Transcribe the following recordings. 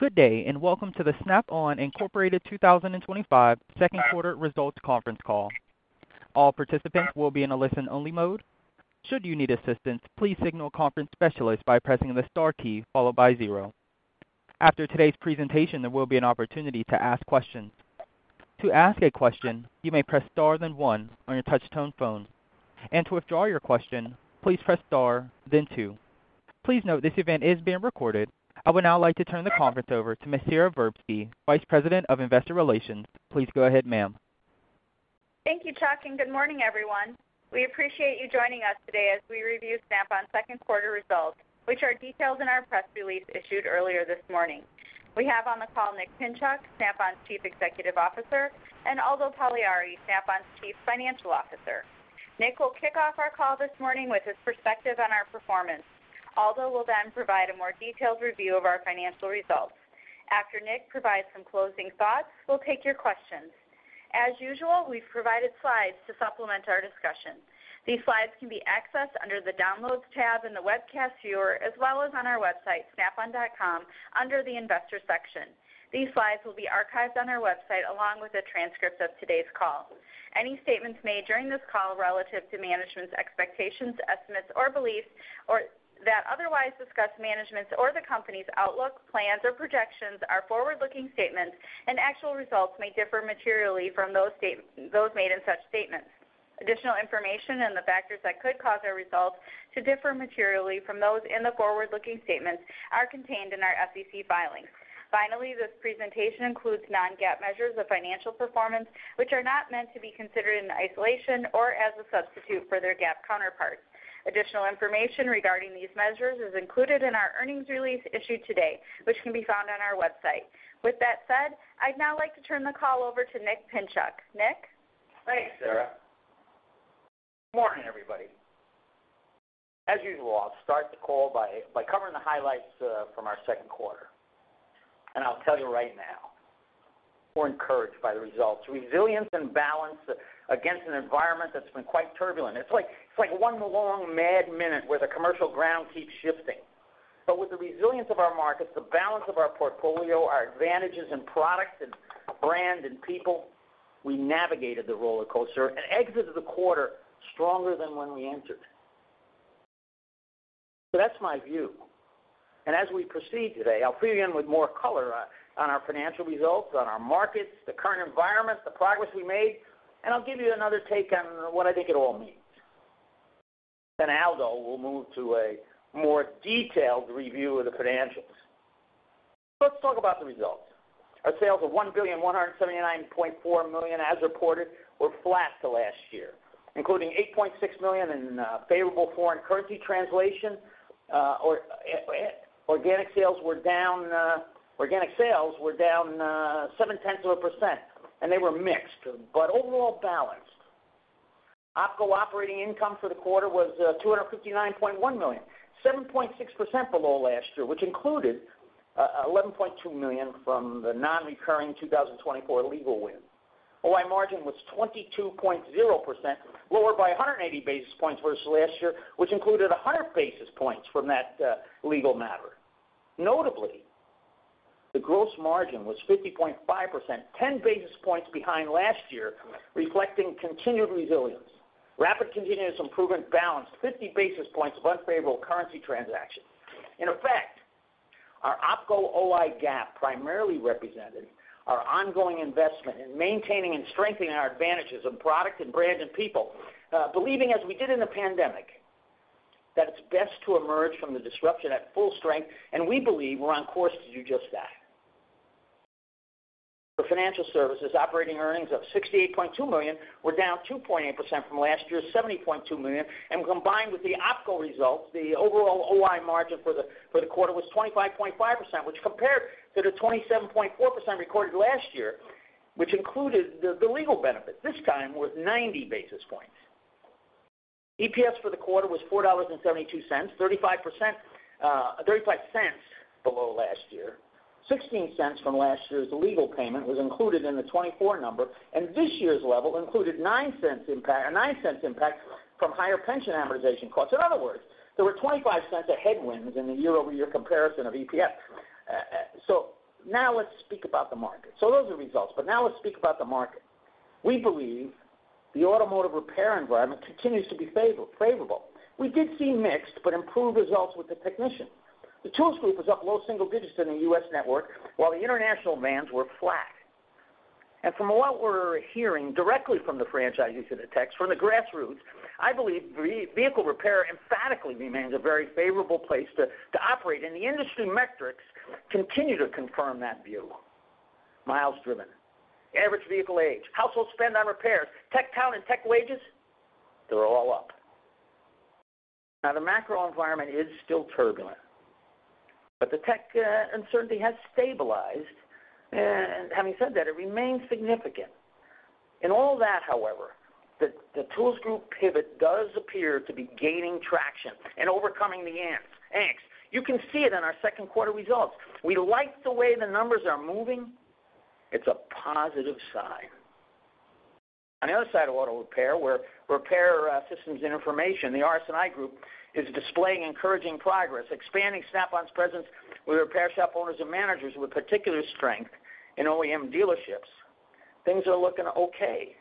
Good day and welcome to the Snap-on Incorporated 2025 Second Quarter Results Conference Call. All participants will be in a listen-only mode. Should you need assistance, please signal Conference Specialist by pressing the star key followed by zero. After today's presentation, there will be an opportunity to ask questions. To ask a question, you may press star then one on your touch-tone phone. And to withdraw your question, please press star then two. Please note this event is being recorded. I would now like to turn the conference over to Ms. Sara Verbsky, Vice President of Investor Relations. Please go ahead, ma'am. Thank you, Chuck, and good morning, everyone. We appreciate you joining us today as we review Snap-on Second Quarter Results, which are detailed in our press release issued earlier this morning. We have on the call Nick Pinchuk, Snap-on's Chief Executive Officer, and Aldo Pagliari, Snap-on's Chief Financial Officer. Nick will kick off our call this morning with his perspective on our performance. Aldo will then provide a more detailed review of our financial results. After Nick provides some closing thoughts, we'll take your questions. As usual, we've provided slides to supplement our discussion. These slides can be accessed under the Downloads tab in the Webcast Viewer, as well as on our website, snap-on.com, under the Investor section. These slides will be archived on our website along with a transcript of today's call. Any statements made during this call relative to management's expectations, estimates, or beliefs that otherwise discuss management's or the company's outlook, plans, or projections are forward-looking statements, and actual results may differ materially from those made in such statements. Additional information and the factors that could cause our results to differ materially from those in the forward-looking statements are contained in our SEC filings. Finally, this presentation includes non-GAAP measures of financial performance, which are not meant to be considered in isolation or as a substitute for their GAAP counterparts. Additional information regarding these measures is included in our earnings release issued today, which can be found on our website. With that said, I'd now like to turn the call over to Nick Pinchuk. Nick? Thanks, Sara. Good morning, everybody. As usual, I'll start the call by covering the highlights from our second quarter. And I'll tell you right now. We're encouraged by the results. Resilience and balance against an environment that's been quite turbulent. It's like one long, mad minute where the commercial ground keeps shifting. But with the resilience of our markets, the balance of our portfolio, our advantages in products and brand and people, we navigated the roller coaster and exited the quarter stronger than when we entered. So that's my view. And as we proceed today, I'll fill you in with more color on our financial results, on our markets, the current environment, the progress we made, and I'll give you another take on what I think it all means. Then Aldo will move to a more detailed review of the financials. Let's talk about the results. Our sales of $1,179.4 million, as reported, were flat to last year, including $8.6 million in favorable foreign currency translation. Organic sales were down 0.7%, and they were mixed, but overall balanced. Opco operating income for the quarter was $259.1 million, 7.6% below last year, which included $11.2 million from the non-recurring 2024 legal win. OI margin was 22.0%, lower by 180 basis points versus last year, which included 100 basis points from that legal matter. Notably, the gross margin was 50.5%, 10 basis points behind last year, reflecting continued resilience. Rapid continuous improvement balanced 50 basis points of unfavorable currency transactions. In effect, our OpCo OI GAAP primarily represented our ongoing investment in maintaining and strengthening our advantages in product and brand and people, believing, as we did in the pandemic, that it's best to emerge from the disruption at full strength, and we believe we're on course to do just that. For financial services, operating earnings of $68.2 million were down 2.8% from last year's $70.2 million, and combined with the OpCo results, the overall OI margin for the quarter was 25.5%, which compared to the 27.4% recorded last year, which included the legal benefits; this time was 90 basis points. EPS for the quarter was $4.72, $0.35 below last year. $0.16 from last year's legal payment was included in the 2024 number, and this year's level included $0.09 impact from higher pension amortization costs. In other words, there were $0.25 of headwinds in the year-over-year comparison of EPS. So now let's speak about the market. So those are the results, but now let's speak about the market. We believe the automotive repair environment continues to be favorable. We did see mixed but improved results with the technician. The Tools Group was up low single digits in the U.S. network, while the international vans were flat. And from what we're hearing directly from the franchisees in the techs, from the grassroots, I believe vehicle repair emphatically remains a very favorable place to operate, and the industry metrics continue to confirm that view. Miles driven, average vehicle age, household spend on repairs, tech talent, tech wages, they're all up. Now, the macro environment is still turbulent. But the tech uncertainty has stabilized. And having said that, it remains significant. In all that, however, the Tools Group pivot does appear to be gaining traction and overcoming the angst. You can see it in our second quarter results. We like the way the numbers are moving. It's a positive sign. On the other side of auto repair, where repair systems and information, the RS&I group is displaying encouraging progress, expanding Snap-on's presence with repair shop owners and managers with particular strength in OEM dealerships. Things are looking okay.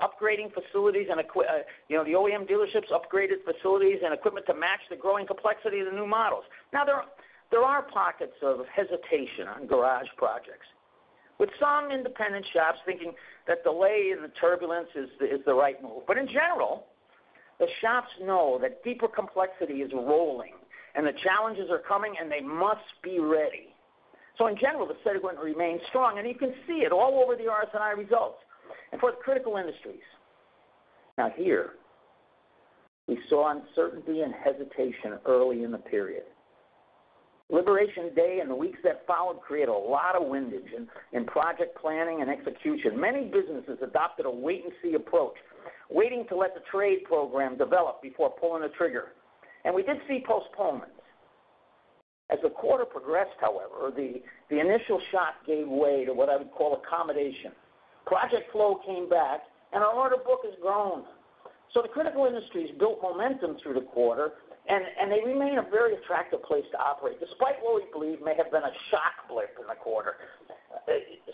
Upgrading facilities and the OEM dealerships upgraded facilities and equipment to match the growing complexity of the new models. Now, there are pockets of hesitation on garage projects, with some independent shops thinking that delay in the turbulence is the right move. But in general, the shops know that deeper complexity is rolling and the challenges are coming, and they must be ready. So in general, the segment remains strong, and you can see it all over the RS&I results. And for the critical industries. Now, here. We saw uncertainty and hesitation early in the period. Liberation Day and the weeks that followed created a lot of windage in project planning and execution. Many businesses adopted a wait-and-see approach, waiting to let the trade program develop before pulling the trigger. And we did see postponements. As the quarter progressed, however, the initial shock gave way to what I would call accommodation. Project flow came back, and our order book has grown. So the critical industries built momentum through the quarter, and they remain a very attractive place to operate, despite what we believe may have been a shock blip in the quarter.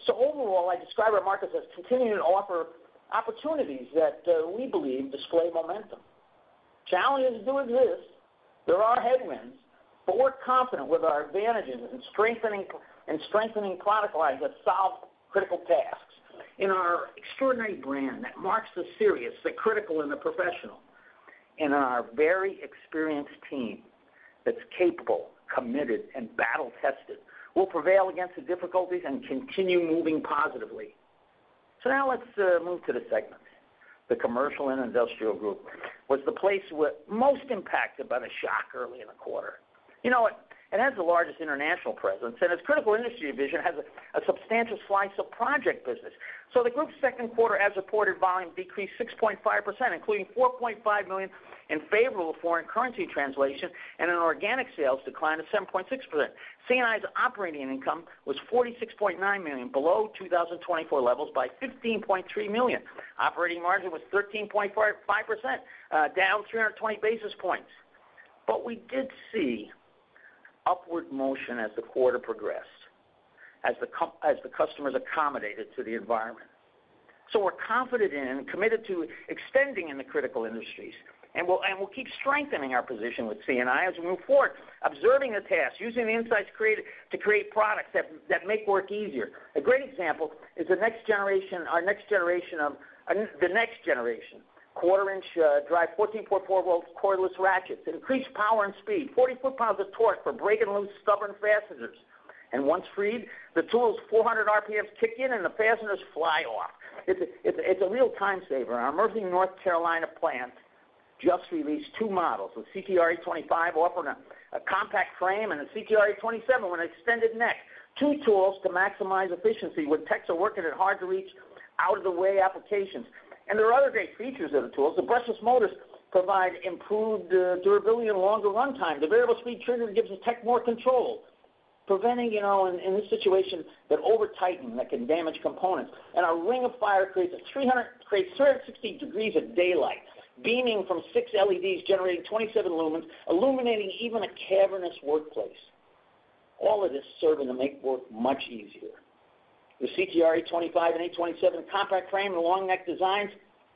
So overall, I describe our markets as continuing to offer opportunities that we believe display momentum. Challenges do exist. There are headwinds, but we're confident with our advantages in strengthening product lines that solve critical tasks. In our extraordinary brand that marks the serious, the critical, and the professional. And our very experienced team that's capable, committed, and battle-tested will prevail against the difficulties and continue moving positively. So now let's move to the segments. The commercial and industrial group was the place most impacted by the shock early in the quarter. You know it has the largest international presence, and its critical industry division has a substantial slice of project business. So the group's second quarter as reported volume decreased 6.5%, including $4.5 million in favorable foreign currency translation and an organic sales decline of 7.6%. CNI's operating income was $46.9 million, below 2024 levels by $15.3 million. Operating margin was 13.5%, down 320 basis points. But we did see. Upward motion as the quarter progressed, as the customers accommodated to the environment. We're confident in and committed to extending in the critical industries, and we'll keep strengthening our position with CNI as we move forward, observing the tasks, using the insights to create products that make work easier. A great example is our next generation quarter-inch drive 14.4-volt cordless ratchets, increased power and speed, 40 ft-lbs of torque for break-and-loose stubborn fasteners. Once freed, the tools 400 RPMs kick in, and the fasteners fly off. It's a real time saver. Our Murphy, North Carolina plant just released two models with CTR825 offering a compact frame and a CTR827 with an extended neck. Two tools to maximize efficiency when techs are working at hard-to-reach, out-of-the-way applications. There are other great features of the tools. The brushless motors provide improved durability and longer runtime. The variable speed trigger gives the tech more control, preventing, in this situation, that over-tighten that can damage components. Our ring of fire creates 360 degrees of daylight, beaming from six LEDs, generating 27 lumens, illuminating even a cavernous workplace. All of this is serving to make work much easier. The CTR825 and 827 compact frame and long-neck designs,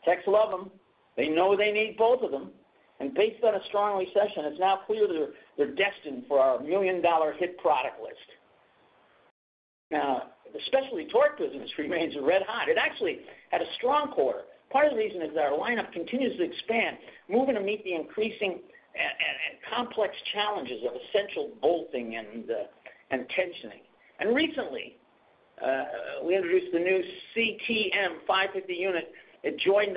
techs love them. They know they need both of them. Based on a strong reception, it's now clear they're destined for our million-dollar hit product list. The specialty torque business remains red hot. It actually had a strong quarter. Part of the reason is that our lineup continues to expand, moving to meet the increasingly complex challenges of essential bolting and tensioning. Recently we introduced the new CTM550 unit. It joined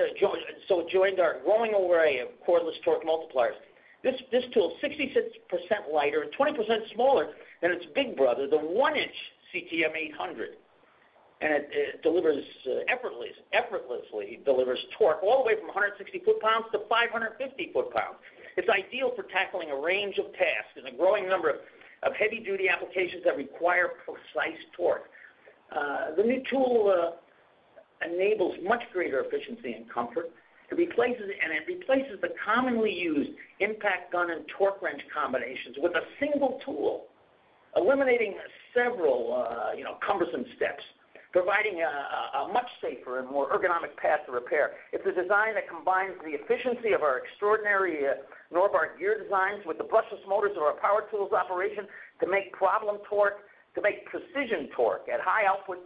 our growing array of cordless torque multipliers. This tool is 66% lighter and 20% smaller than its big brother, the 1 in CTM800. It effortlessly delivers torque all the way from 160 ft-lbs to 550 ft-lbs. It's ideal for tackling a range of tasks and a growing number of heavy-duty applications that require precise torque. The new tool enables much greater efficiency and comfort. It replaces the commonly used impact gun and torque wrench combinations with a single tool, eliminating several cumbersome steps, providing a much safer and more ergonomic path to repair. It's a design that combines the efficiency of our extraordinary Norbar gear designs with the brushless motors of our power tools operation to make problem torque, to make precision torque at high output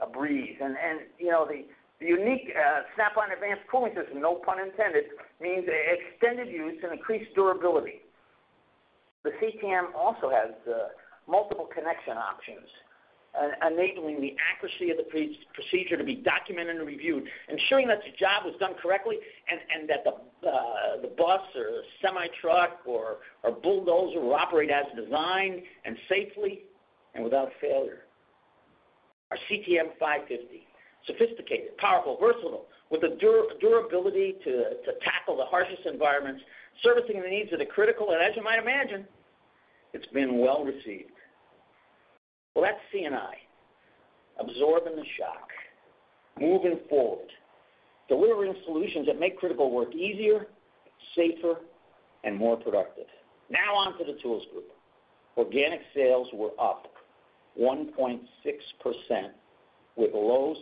a breeze. The unique Snap-on advanced cooling System, no pun intended, means extended use and increased durability. The CTM also has multiple connection options, enabling the accuracy of the procedure to be documented and reviewed, ensuring that the job was done correctly and that the bus or semi-truck or bulldozer operated as designed and safely and without failure. Our CTM550, sophisticated, powerful, versatile, with the durability to tackle the harshest environments, servicing the needs of the critical. As you might imagine, it's been well received. That's CNI. Absorbing the shock. Moving forward. Delivering solutions that make critical work easier, safer, and more productive. Now on to the Tools Group. Organic sales were up 1.6%, with a low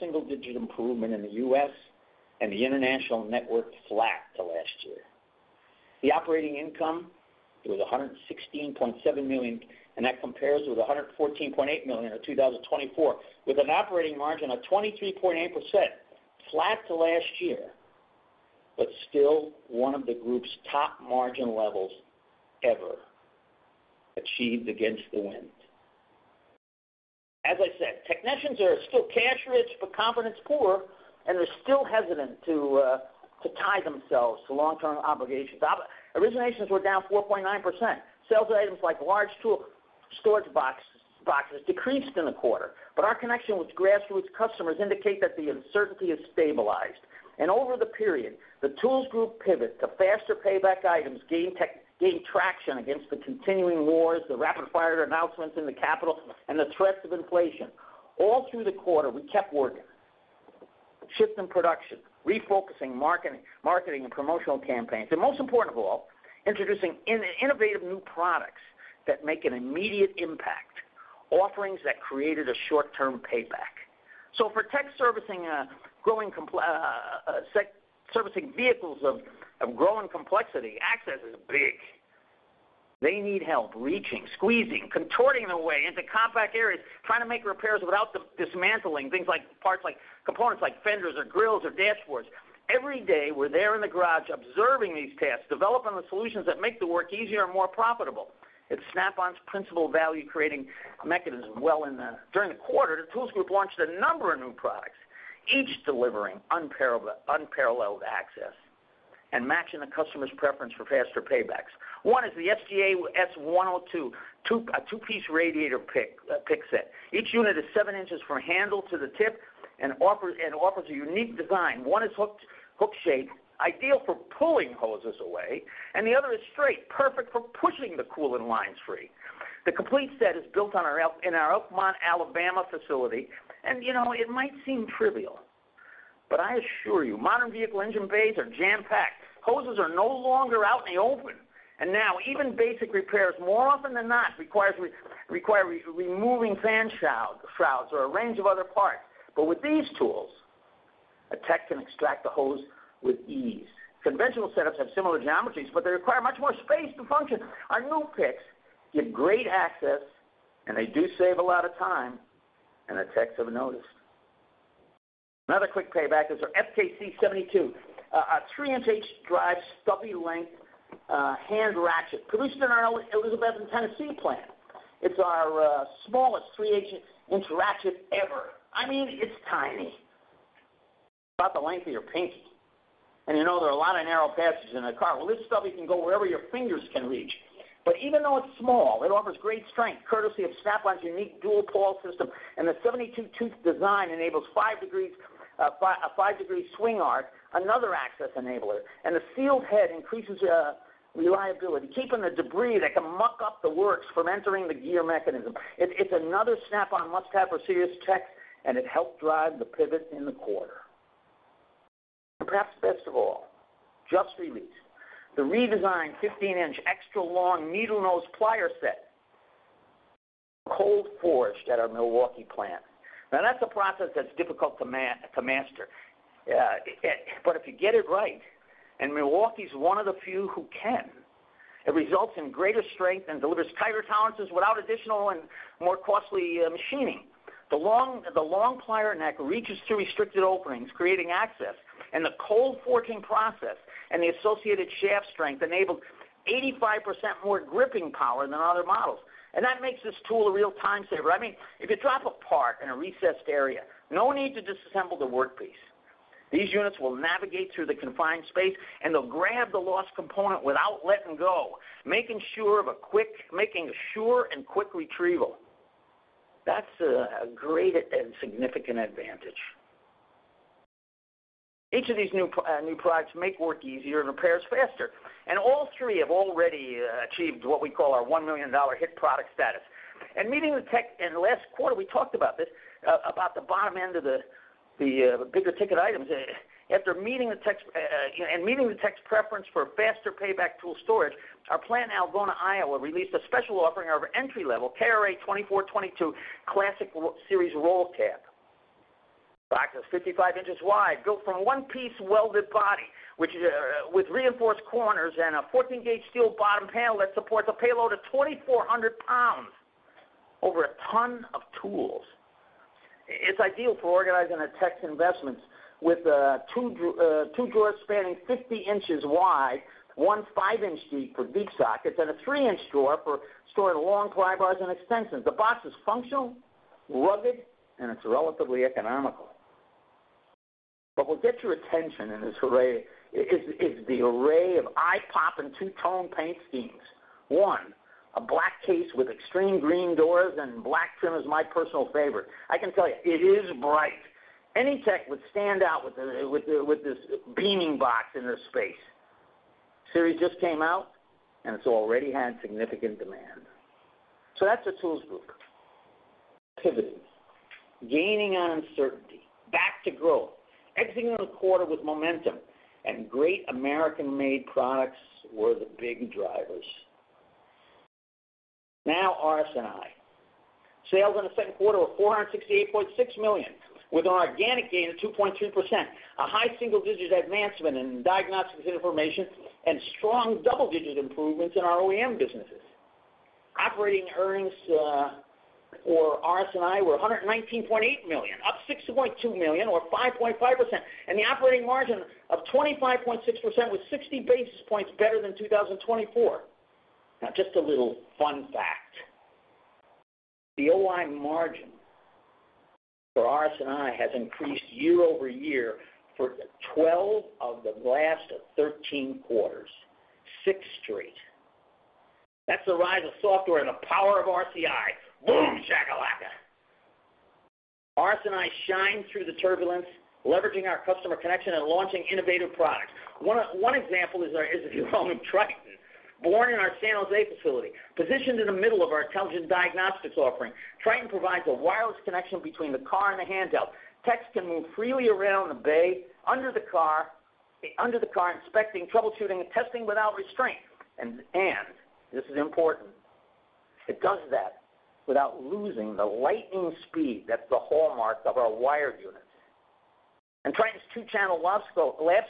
single-digit improvement in the U..S and the international network flat to last year. The operating income was $116.7 million, and that compares with $114.8 million in 2024, with an operating margin of 23.8%, flat to last year, but still one of the group's top margin levels ever. Achieved against the wind. As I said, technicians are still cash rich, but confidence poor, and they're still hesitant to tie themselves to long-term obligations. Originations were down 4.9%. Sales of items like large tool storage boxes decreased in the quarter, but our connection with grassroots customers indicates that the uncertainty has stabilized, and over the period, the Tools group pivot to faster payback items gained traction against the continuing wars, the rapid-fire announcements in the capital, and the threats of inflation. All through the quarter, we kept working, shifting production, refocusing marketing and promotional campaigns, and most important of all, introducing innovative new products that make an immediate impact, offerings that created a short-term payback. So for tech servicing vehicles of growing complexity, access is big. They need help reaching, squeezing, contorting their way into compact areas, trying to make repairs without dismantling things like components like fenders or grills or dashboards. Every day, we're there in the garage observing these tasks, developing the solutions that make the work easier and more profitable. It's Snap-on's principal value-creating mechanism. During the quarter, the Tools Group launched a number of new products, each delivering unparalleled access and matching the customer's preference for faster paybacks. One is the SGAS102, a two-piece radiator pick set. Each unit is 7 in from handle to the tip and offers a unique design. One is hook-shaped, ideal for pulling hoses away, and the other is straight, perfect for pushing the coolant lines free. The complete set is built in our Elkmont, Alabama facility, and it might seem trivial, but I assure you, modern vehicle engine bays are jam-packed. Hoses are no longer out in the open, and now, even basic repairs, more often than not, require removing fan shrouds or a range of other parts. But with these tools, a tech can extract the hose with ease. Conventional setups have similar geometries, but they require much more space to function. Our new picks give great access, and they do save a lot of time, and the techs have noticed. Another quick payback is our FKC72, a 3/8 in drive stubby-length hand ratchet, produced in our Elizabethton, Tennessee plant. It's our smallest 3/8 in ratchet ever. I mean, it's tiny. It's about the length of your pinky, and there are a lot of narrow passages in a car. This stubby can go wherever your fingers can reach. But even though it's small, it offers great strength, courtesy of Snap-on's unique dual-pole system, and the 72-tooth design enables a 5-degree swing arc, another access enabler. And the sealed head increases reliability, keeping the debris that can muck up the works from entering the gear mechanism. It's another Snap-on must-have for serious techs, and it helped drive the pivot in the quarter. And perhaps best of all, just released, the redesigned 15 in extra-long needle-nose plier set. Cold forged at our Milwaukee plant. Now, that's a process that's difficult to master. But if you get it right, and Milwaukee's one of the few who can, it results in greater strength and delivers tighter tolerances without additional and more costly machining. The long plier neck reaches through restricted openings, creating access. And the cold forging process and the associated shaft strength enables 85% more gripping power than other models. And that makes this tool a real time saver. I mean, if you drop a part in a recessed area, no need to disassemble the workpiece. These units will navigate through the confined space, and they'll grab the lost component without letting go, making sure of a quick and quick retrieval. That's a great and significant advantage. Each of these new products makes work easier and repairs faster. And all three have already achieved what we call our $1 million hit product status. And meeting the tech in the last quarter, we talked about this, about the bottom end of the bigger ticket items. After meeting the tech's preference for faster payback tool storage, our plant in Algona, Iowa, released a special offering of entry-level KRA2422 Classic Series Roll Cab. Box is 55 in wide, built from a one-piece welded body, which is with reinforced corners and a 14-gauge steel bottom panel that supports a payload of 2,400 lbs over a ton of tools. It's ideal for organizing a tech's investments with two drawers spanning 50 in wide, one 5 in deep for deep sockets, and a 3 in drawer for storing long pry bars and extensions. The box is functional, rugged, and it's relatively economical. What will get your attention in this array is the array of eye-popping two-tone paint schemes. One, a black case with extreme green doors and black trim is my personal favorite. I can tell you, it is bright. Any tech would stand out with this beaming box in their space. Series just came out, and it's already had significant demand. So that's the Tools Group. Pivoting, gaining on uncertainty, back to growth, exiting the quarter with momentum, and great American-made products were the big drivers. Now, RS&I. Sales in the second quarter were $468.6 million, with an organic gain of 2.2%, a high single-digit advancement in diagnostic information, and strong double-digit improvements in our OEM businesses. Operating earnings for RS&I were $119.8 million, up $6.2 million or 5.5%. And the operating margin of 25.6% was 60 basis points better than 2024. Now, just a little fun fact. The OI margin for RS&I has increased year over year for 12 of the last 13 quarters, six straight. That's the rise of software and the power of RCI. Boom, shack-a-lacha. RS&I shined through the turbulence, leveraging our customer connection and launching innovative products. One example is the home of Triton, born in our San Jose facility, positioned in the middle of our intelligent diagnostics offering. Triton provides a wireless connection between the car and the handheld. Techs can move freely around the bay under the car. Inspecting, troubleshooting, and testing without restraint. And this is important. It does that without losing the lightning speed that's the hallmark of our wired units. And Triton's two-channel lab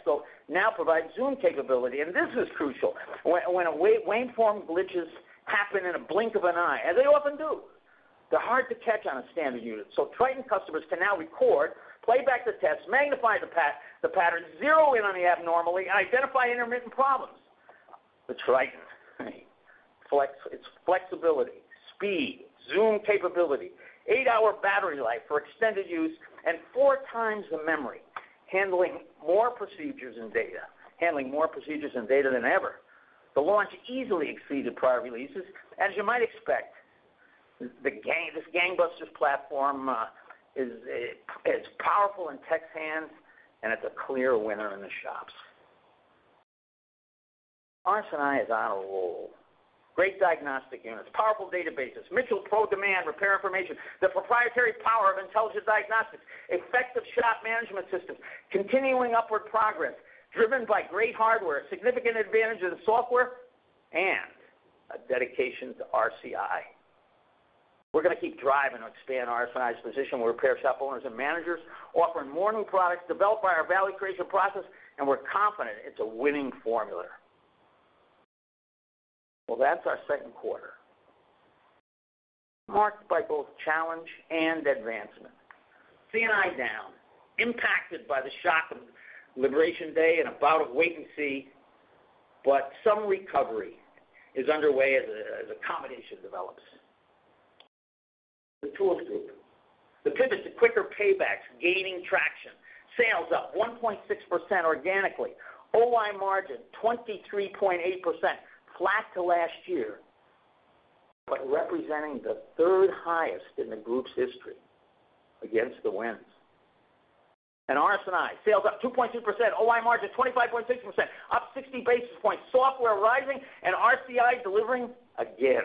scope now provides zoom capability. And this is crucial. When a waveform glitches happen in a blink of an eye, as they often do, they're hard to catch on a standard unit. So Triton customers can now record, play back the tests, magnify the pattern, zero in on the abnormality, and identify intermittent problems. The Triton. Its flexibility, speed, zoom capability, 8-hour battery life for extended use, and 4x the memory, handling more procedures and data than ever. The launch easily exceeded prior releases. As you might expect, this gangbusters platform. iIs powerful in tech's hands, and it's a clear winner in the shops. RS&I is on a roll. Great diagnostic units, powerful databases, Mitchell ProDemand repair information, the proprietary power of intelligent diagnostics, effective shop management systems, continuing upward progress, driven by great hardware, significant advantage of the software, and a dedication to RCI. We're going to keep driving to expand RS&I's position with repair shop owners and managers, offering more new products developed by our value creation process, and we're confident it's a winning formula. Well, that's our second quarter. Marked by both challenge and advancement. CNI down, impacted by the shock of Liberation Day and a bout of wait and see. But some recovery is underway as accommodation develops. The Tools Group. The pivot to quicker paybacks, gaining traction. Sales up 1.6% organically. OI margin 23.8%, flat to last year, but representing the third highest in the group's history against the winds. And RS&I, sales up 2.2%, OI margin 25.6%, up 60 basis points, software rising, and RCI delivering again.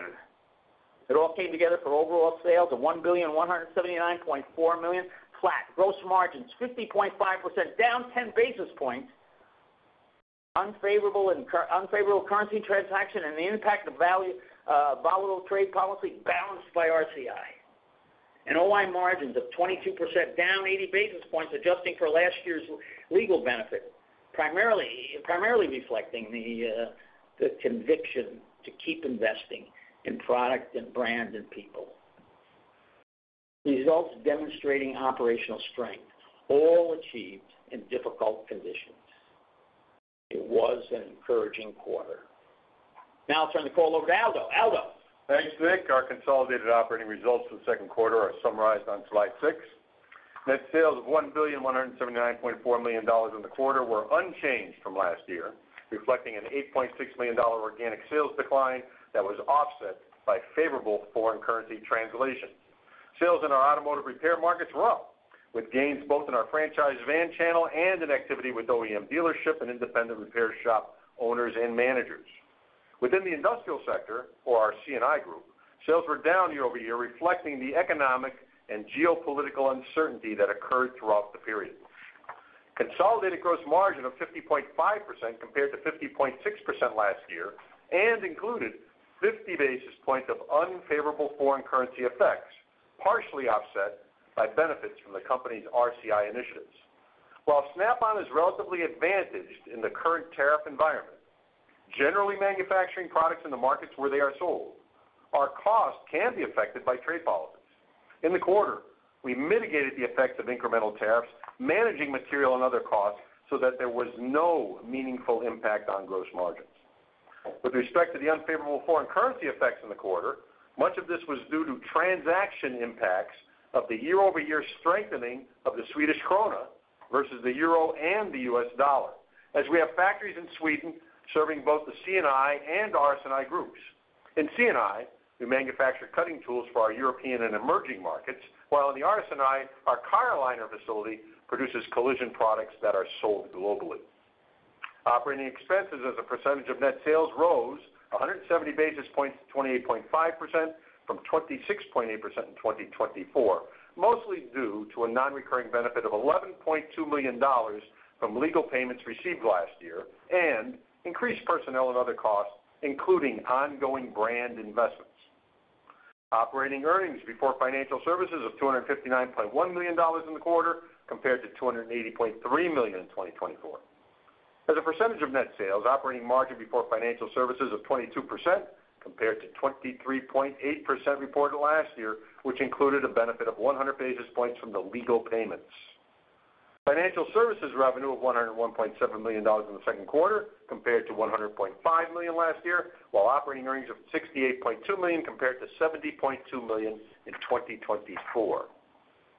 It all came together for overall sales of $1,179.4 million, flat. Gross margins 50.5%, down 10 basis points. Unfavorable currency transaction and the impact of. Volatile trade policy balanced by RCI. And OI margins of 22%, down 80 basis points, adjusting for last year's legal benefit, primarily reflecting the conviction to keep investing in product and brand and people. Results demonstrating operational strength, all achieved in difficult conditions. It was an encouraging quarter. Now I'll turn the call over to Aldo. Aldo. Thanks, Nick. Our consolidated operating results for the second quarter are summarized on slide 6. Net sales of $1,179.4 million in the quarter were unchanged from last year, reflecting an $8.6 million organic sales decline that was offset by favorable foreign currency translation. Sales in our automotive repair markets were up, with gains both in our franchise van channel and in activity with OEM dealership and independent repair shop owners and managers. Within the industrial sector, for our CNI group, sales were down year over year, reflecting the economic and geopolitical uncertainty that occurred throughout the period. Consolidated gross margin of 50.5% compared to 50.6% last year and included 50 basis points of unfavorable foreign currency effects, partially offset by benefits from the company's RCI initiatives. While Snap-on is relatively advantaged in the current tariff environment, generally manufacturing products in the markets where they are sold, our costs can be affected by trade policies. In the quarter, we mitigated the effects of incremental tariffs, managing material and other costs so that there was no meaningful impact on gross margins. With respect to the unfavorable foreign currency effects in the quarter, much of this was due to transaction impacts of the year-over-year strengthening of the Swedish krona versus the euro and the U.S. dollar, as we have factories in Sweden serving both the CNI and RS&I groups. In CNI, we manufacture cutting tools for our European and emerging markets, while in the RS&I, our Car-O-Liner facility produces collision products that are sold globally. Operating expenses as a percentage of net sales rose 170 basis points to 28.5% from 26.8% in 2024, mostly due to a non-recurring benefit of $11.2 million from legal payments received last year and increased personnel and other costs, including ongoing brand investments. Operating earnings before financial services of $259.1 million in the quarter compared to $280.3 million in 2024. As a percentage of net sales, operating margin before financial services of 22% compared to 23.8% reported last year, which included a benefit of 100 basis points from the legal payments. Financial services revenue of $101.7 million in the second quarter compared to $100.5 million last year, while operating earnings of $68.2 million compared to $70.2 million in 2024.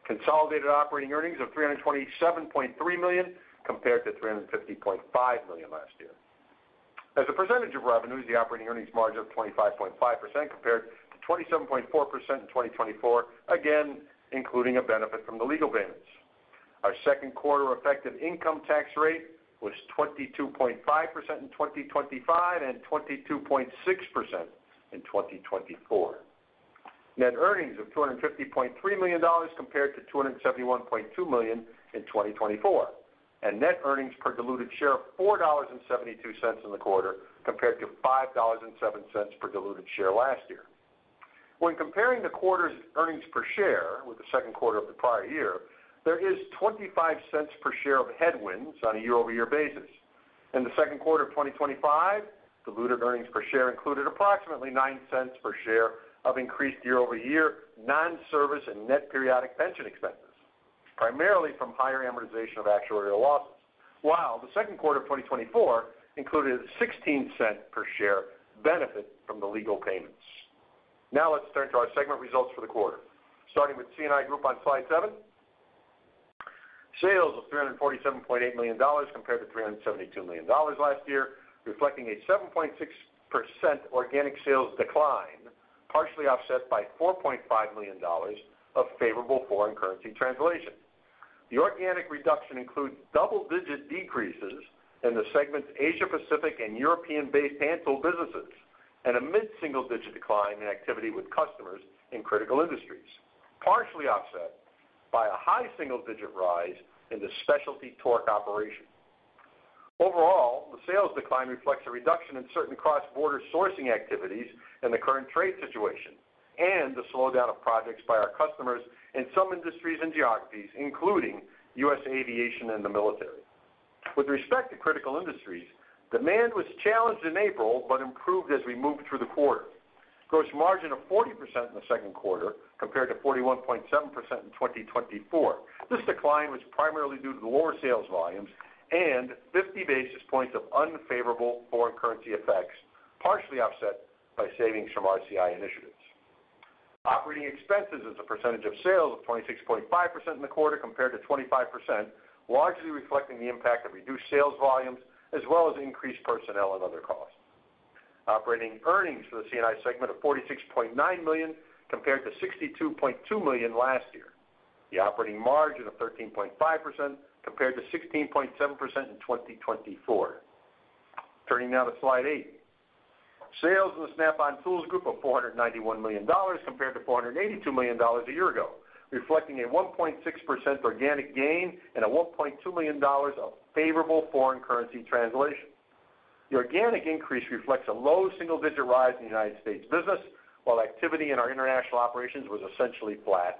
Consolidated operating earnings of $327.3 million compared to $350.5 million last year. As a percentage of revenues, the operating earnings margin of 25.5% compared to 27.4% in 2024, again, including a benefit from the legal payments. Our second quarter effective income tax rate was 22.5% in 2025 and 22.6% in 2024. Net earnings of $250.3 million compared to $271.2 million in 2024, and net earnings per diluted share of $4.72 in the quarter compared to $5.07 per diluted share last year. When comparing the quarter's earnings per share with the second quarter of the prior year, there is $0.25 per share of headwinds on a year-over-year basis. In the second quarter of 2025, diluted earnings per share included approximately $0.09 per share of increased year-over-year non-service and net periodic pension expenses, primarily from higher amortization of actuarial losses, while the second quarter of 2024 included a $0.16 per share benefit from the legal payments. Now let's turn to our segment results for the quarter, starting with CNI group on slide 7. Sales of $347.8 million compared to $372 million last year, reflecting a 7.6% organic sales decline, partially offset by $4.5 million of favorable foreign currency translation. The organic reduction includes double-digit decreases in the segments Asia-Pacific and European-based hands-on businesses, and a mid-single-digit decline in activity with customers in critical industries, partially offset by a high single-digit rise in the specialty torque operation. Overall, the sales decline reflects a reduction in certain cross-border sourcing activities and the current trade situation, and the slowdown of projects by our customers in some industries and geographies, including U.S. aviation and the military. With respect to critical industries, demand was challenged in April but improved as we moved through the quarter. Gross margin of 40% in the second quarter compared to 41.7% in 2024. This decline was primarily due to the lower sales volumes and 50 basis points of unfavorable foreign currency effects, partially offset by savings from RCI initiatives. Operating expenses as a percentage of sales of 26.5% in the quarter compared to 25%, largely reflecting the impact of reduced sales volumes as well as increased personnel and other costs. Operating earnings for the CNI segment of $46.9 million compared to $62.2 million last year. The operating margin of 13.5% compared to 16.7% in 2024. Turning now to slide 8. Sales in the Snap-on Tools Group of $491 million compared to $482 million a year ago, reflecting a 1.6% organic gain and a $1.2 million of favorable foreign currency translation. The organic increase reflects a low single-digit rise in United States business, while activity in our international operations was essentially flat.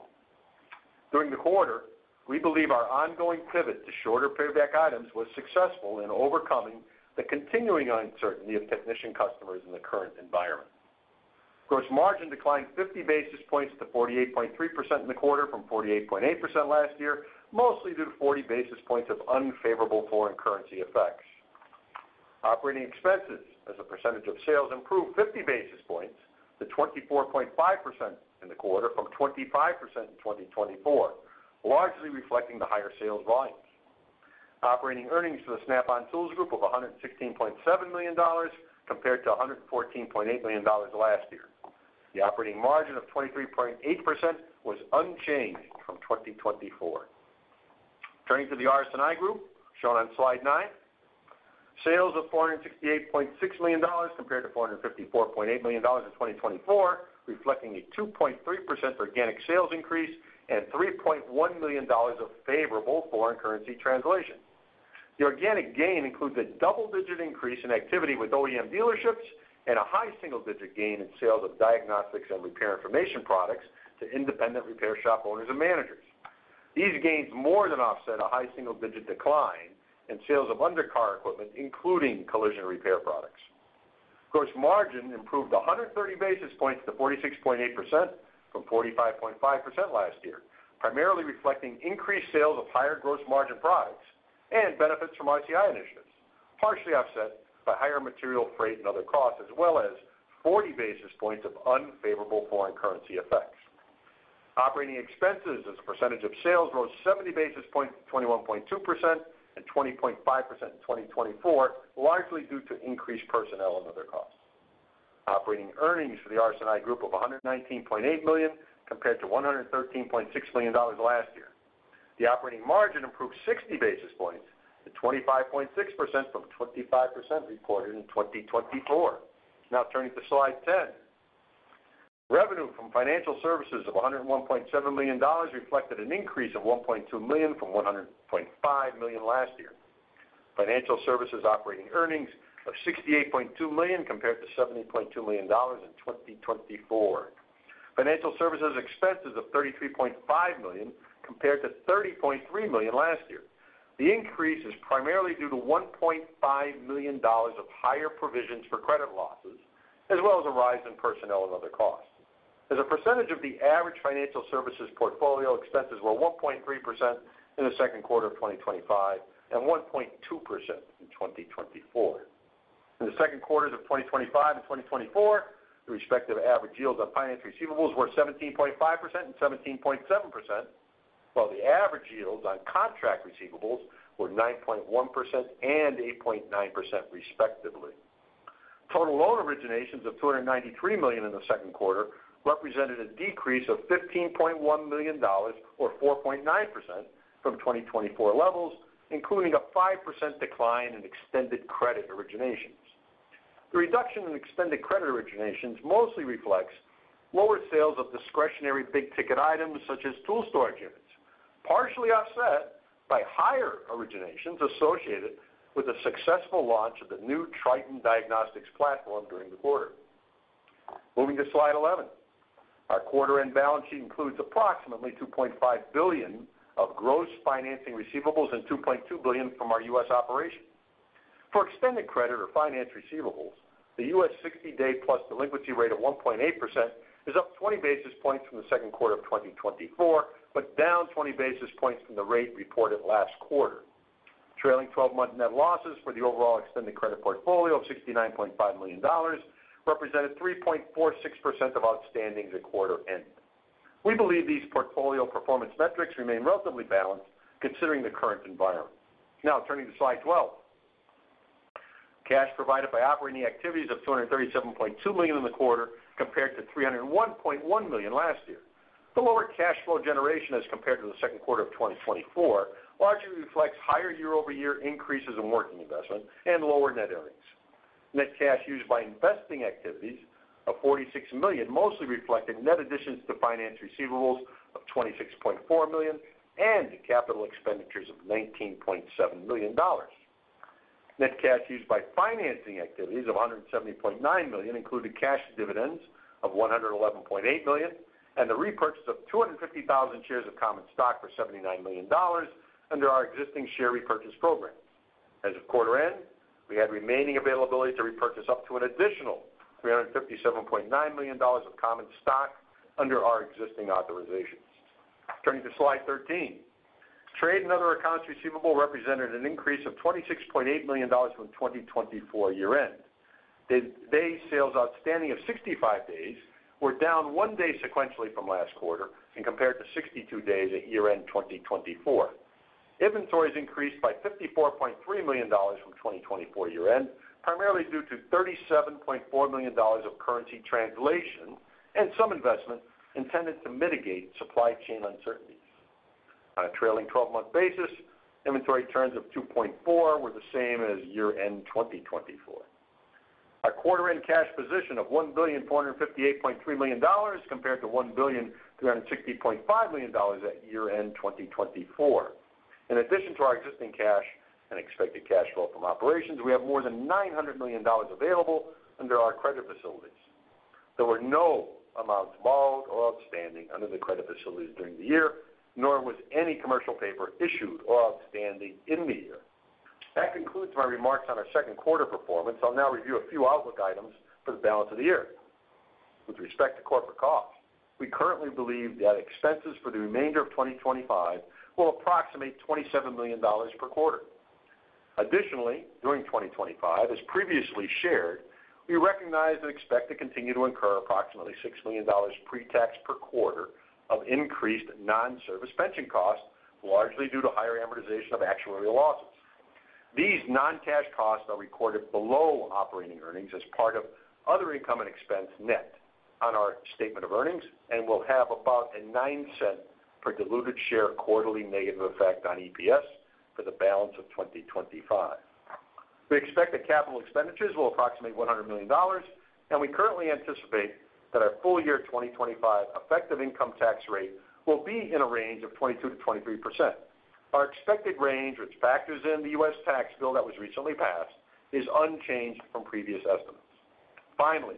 During the quarter, we believe our ongoing pivot to shorter payback items was successful in overcoming the continuing uncertainty of technician customers in the current environment. Gross margin declined 50 basis points to 48.3% in the quarter from 48.8% last year, mostly due to 40 basis points of unfavorable foreign currency effects. Operating expenses as a percentage of sales improved 50 basis points to 24.5% in the quarter from 25% in 2024, largely reflecting the higher sales volumes. Operating earnings for the Snap-on Tools Group of $116.7 million compared to $114.8 million last year. The operating margin of 23.8% was unchanged from 2024. Turning to the RS&I group, shown on slide 9. Sales of $468.6 million compared to $454.8 million in 2024, reflecting a 2.3% organic sales increase and $3.1 million of favorable foreign currency translation. The organic gain includes a double-digit increase in activity with OEM dealerships and a high single-digit gain in sales of diagnostics and repair information products to independent repair shop owners and managers. These gains more than offset a high single-digit decline in sales of undercar equipment, including collision repair products. Gross margin improved 130 basis points to 46.8% from 45.5% last year, primarily reflecting increased sales of higher gross margin products and benefits from RCI initiatives, partially offset by higher material freight and other costs, as well as 40 basis points of unfavorable foreign currency effects. Operating expenses as a percentage of sales rose 70 basis points to 21.2% and 20.5% in 2024, largely due to increased personnel and other costs. Operating earnings for the RS&I group of $119.8 million compared to $113.6 million last year. The operating margin improved 60 basis points to 25.6% from 25% reported in 2024. Now turning to slide 10. Revenue from financial services of $101.7 million reflected an increase of $1.2 million from $100.5 million last year. Financial services operating earnings of $68.2 million compared to $70.2 million in 2024. Financial services expenses of $33.5 million compared to $30.3 million last year. The increase is primarily due to $1.5 million of higher provisions for credit losses, as well as a rise in personnel and other costs. As a percentage of the average financial services portfolio expenses were 1.3% in the second quarter of 2025 and 1.2% in 2024. In the second quarters of 2025 and 2024, the respective average yields on finance receivables were 17.5% and 17.7%, while the average yields on contract receivables were 9.1% and 8.9% respectively. Total loan originations of $293 million in the second quarter represented a decrease of $15.1 million or 4.9% from 2024 levels, including a 5% decline in extended credit originations. The reduction in extended credit originations mostly reflects lower sales of discretionary big-ticket items such as tool storage units, partially offset by higher originations associated with the successful launch of the new Triton Diagnostics platform during the quarter. Moving to slide 11. Our quarter-end balance sheet includes approximately $2.5 billion of gross financing receivables and $2.2 billion from our U.S. operations. For extended credit or finance receivables, the U.S. 60+ day delinquency rate of 1.8% is up 20 basis points from the second quarter of 2024, but down 20 basis points from the rate reported last quarter. Trailing 12-month net losses for the overall extended credit portfolio of $69.5 million represented 3.46% of outstanding the quarter end. We believe these portfolio performance metrics remain relatively balanced considering the current environment. Now turning to slide 12. Cash provided by operating activities of $237.2 million in the quarter compared to $301.1 million last year. The lower cash flow generation as compared to the second quarter of 2024 largely reflects higher year-over-year increases in working investment and lower net earnings. Net cash used by investing activities of $46 million mostly reflected net additions to finance receivables of $26.4 million and capital expenditures of $19.7 million. Net cash used by financing activities of $170.9 million included cash dividends of $111.8 million and the repurchase of 250,000 shares of common stock for $79 million under our existing share repurchase program. As of quarter end, we had remaining availability to repurchase up to an additional $357.9 million of common stock under our existing authorizations. Turning to slide 13. Trade and other accounts receivable represented an increase of $26.8 million from 2024 year-end. Day sales outstanding of 65 days were down one day sequentially from last quarter and compared to 62 days at year-end 2024. Inventories increased by $54.3 million from 2024 year-end, primarily due to $37.4 million of currency translation and some investment intended to mitigate supply chain uncertainties. On a trailing 12-month basis, inventory turns of 2.4 were the same as year-end 2024. Our quarter-end cash position of $1,458.3 million compared to $1,360.5 million at year-end 2024. In addition to our existing cash and expected cash flow from operations, we have more than $900 million available under our credit facilities. There were no amounts borrowed or outstanding under the credit facilities during the year, nor was any commercial paper issued or outstanding in the year. That concludes my remarks on our second quarter performance. I'll now review a few outlook items for the balance of the year. With respect to corporate costs, we currently believe that expenses for the remainder of 2025 will approximate $27 million per quarter. Additionally, during 2025, as previously shared, we recognize and expect to continue to incur approximately $6 million pre-tax per quarter of increased non-service pension costs, largely due to higher amortization of actuarial losses. These non-cash costs are recorded below operating earnings as part of other income and expense, net on our statement of earnings and will have about a $0.09 per diluted share quarterly negative effect on EPS for the balance of 2025. We expect that capital expenditures will approximate $100 million, and we currently anticipate that our full year 2025 effective income tax rate will be in a range of 22%-23%. Our expected range, which factors in the U.S. tax bill that was recently passed, is unchanged from previous estimates. Finally,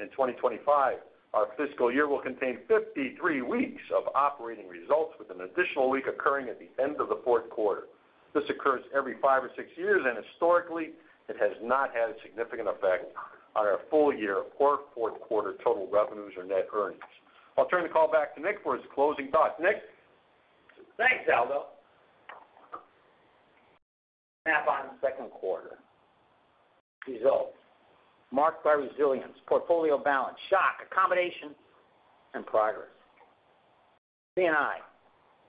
in 2025, our fiscal year will contain 53 weeks of operating results, with an additional week occurring at the end of the fourth quarter. This occurs every five or six years, and historically, it has not had a significant effect on our full year or fourth quarter total revenues or net earnings. I'll turn the call back to Nick for his closing thoughts. Nick? Thanks, Aldo. Snap-on's second quarter results marked by resilience, portfolio balance, shock, accommodation, and progress. CNI,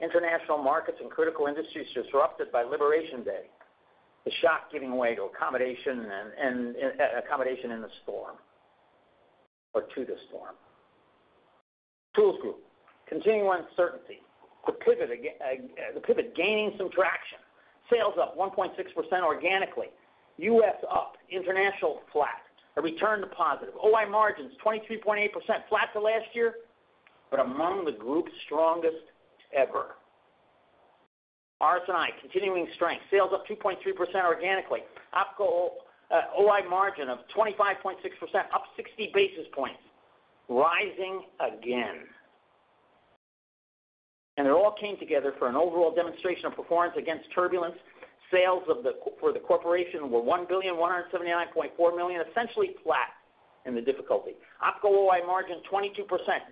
international markets and critical industries disrupted by Liberation Day. The shock giving way to accommodation and accommodation in the storm. Or to the storm. Tools Group, continuing uncertainty. The pivot gaining some traction. Sales up 1.6% organically. U.S. up, international flat. A return to positive. OI margins 23.8%, flat to last year, but among the group's strongest ever. RS&I, continuing strength. Sales up 2.3% organically. OI margin of 25.6%, up 60 basis points. Rising again. And it all came together for an overall demonstration of performance against turbulence. Sales for the corporation were $1,179.4 million, essentially flat in the difficulty. OpCo OI margin 22%,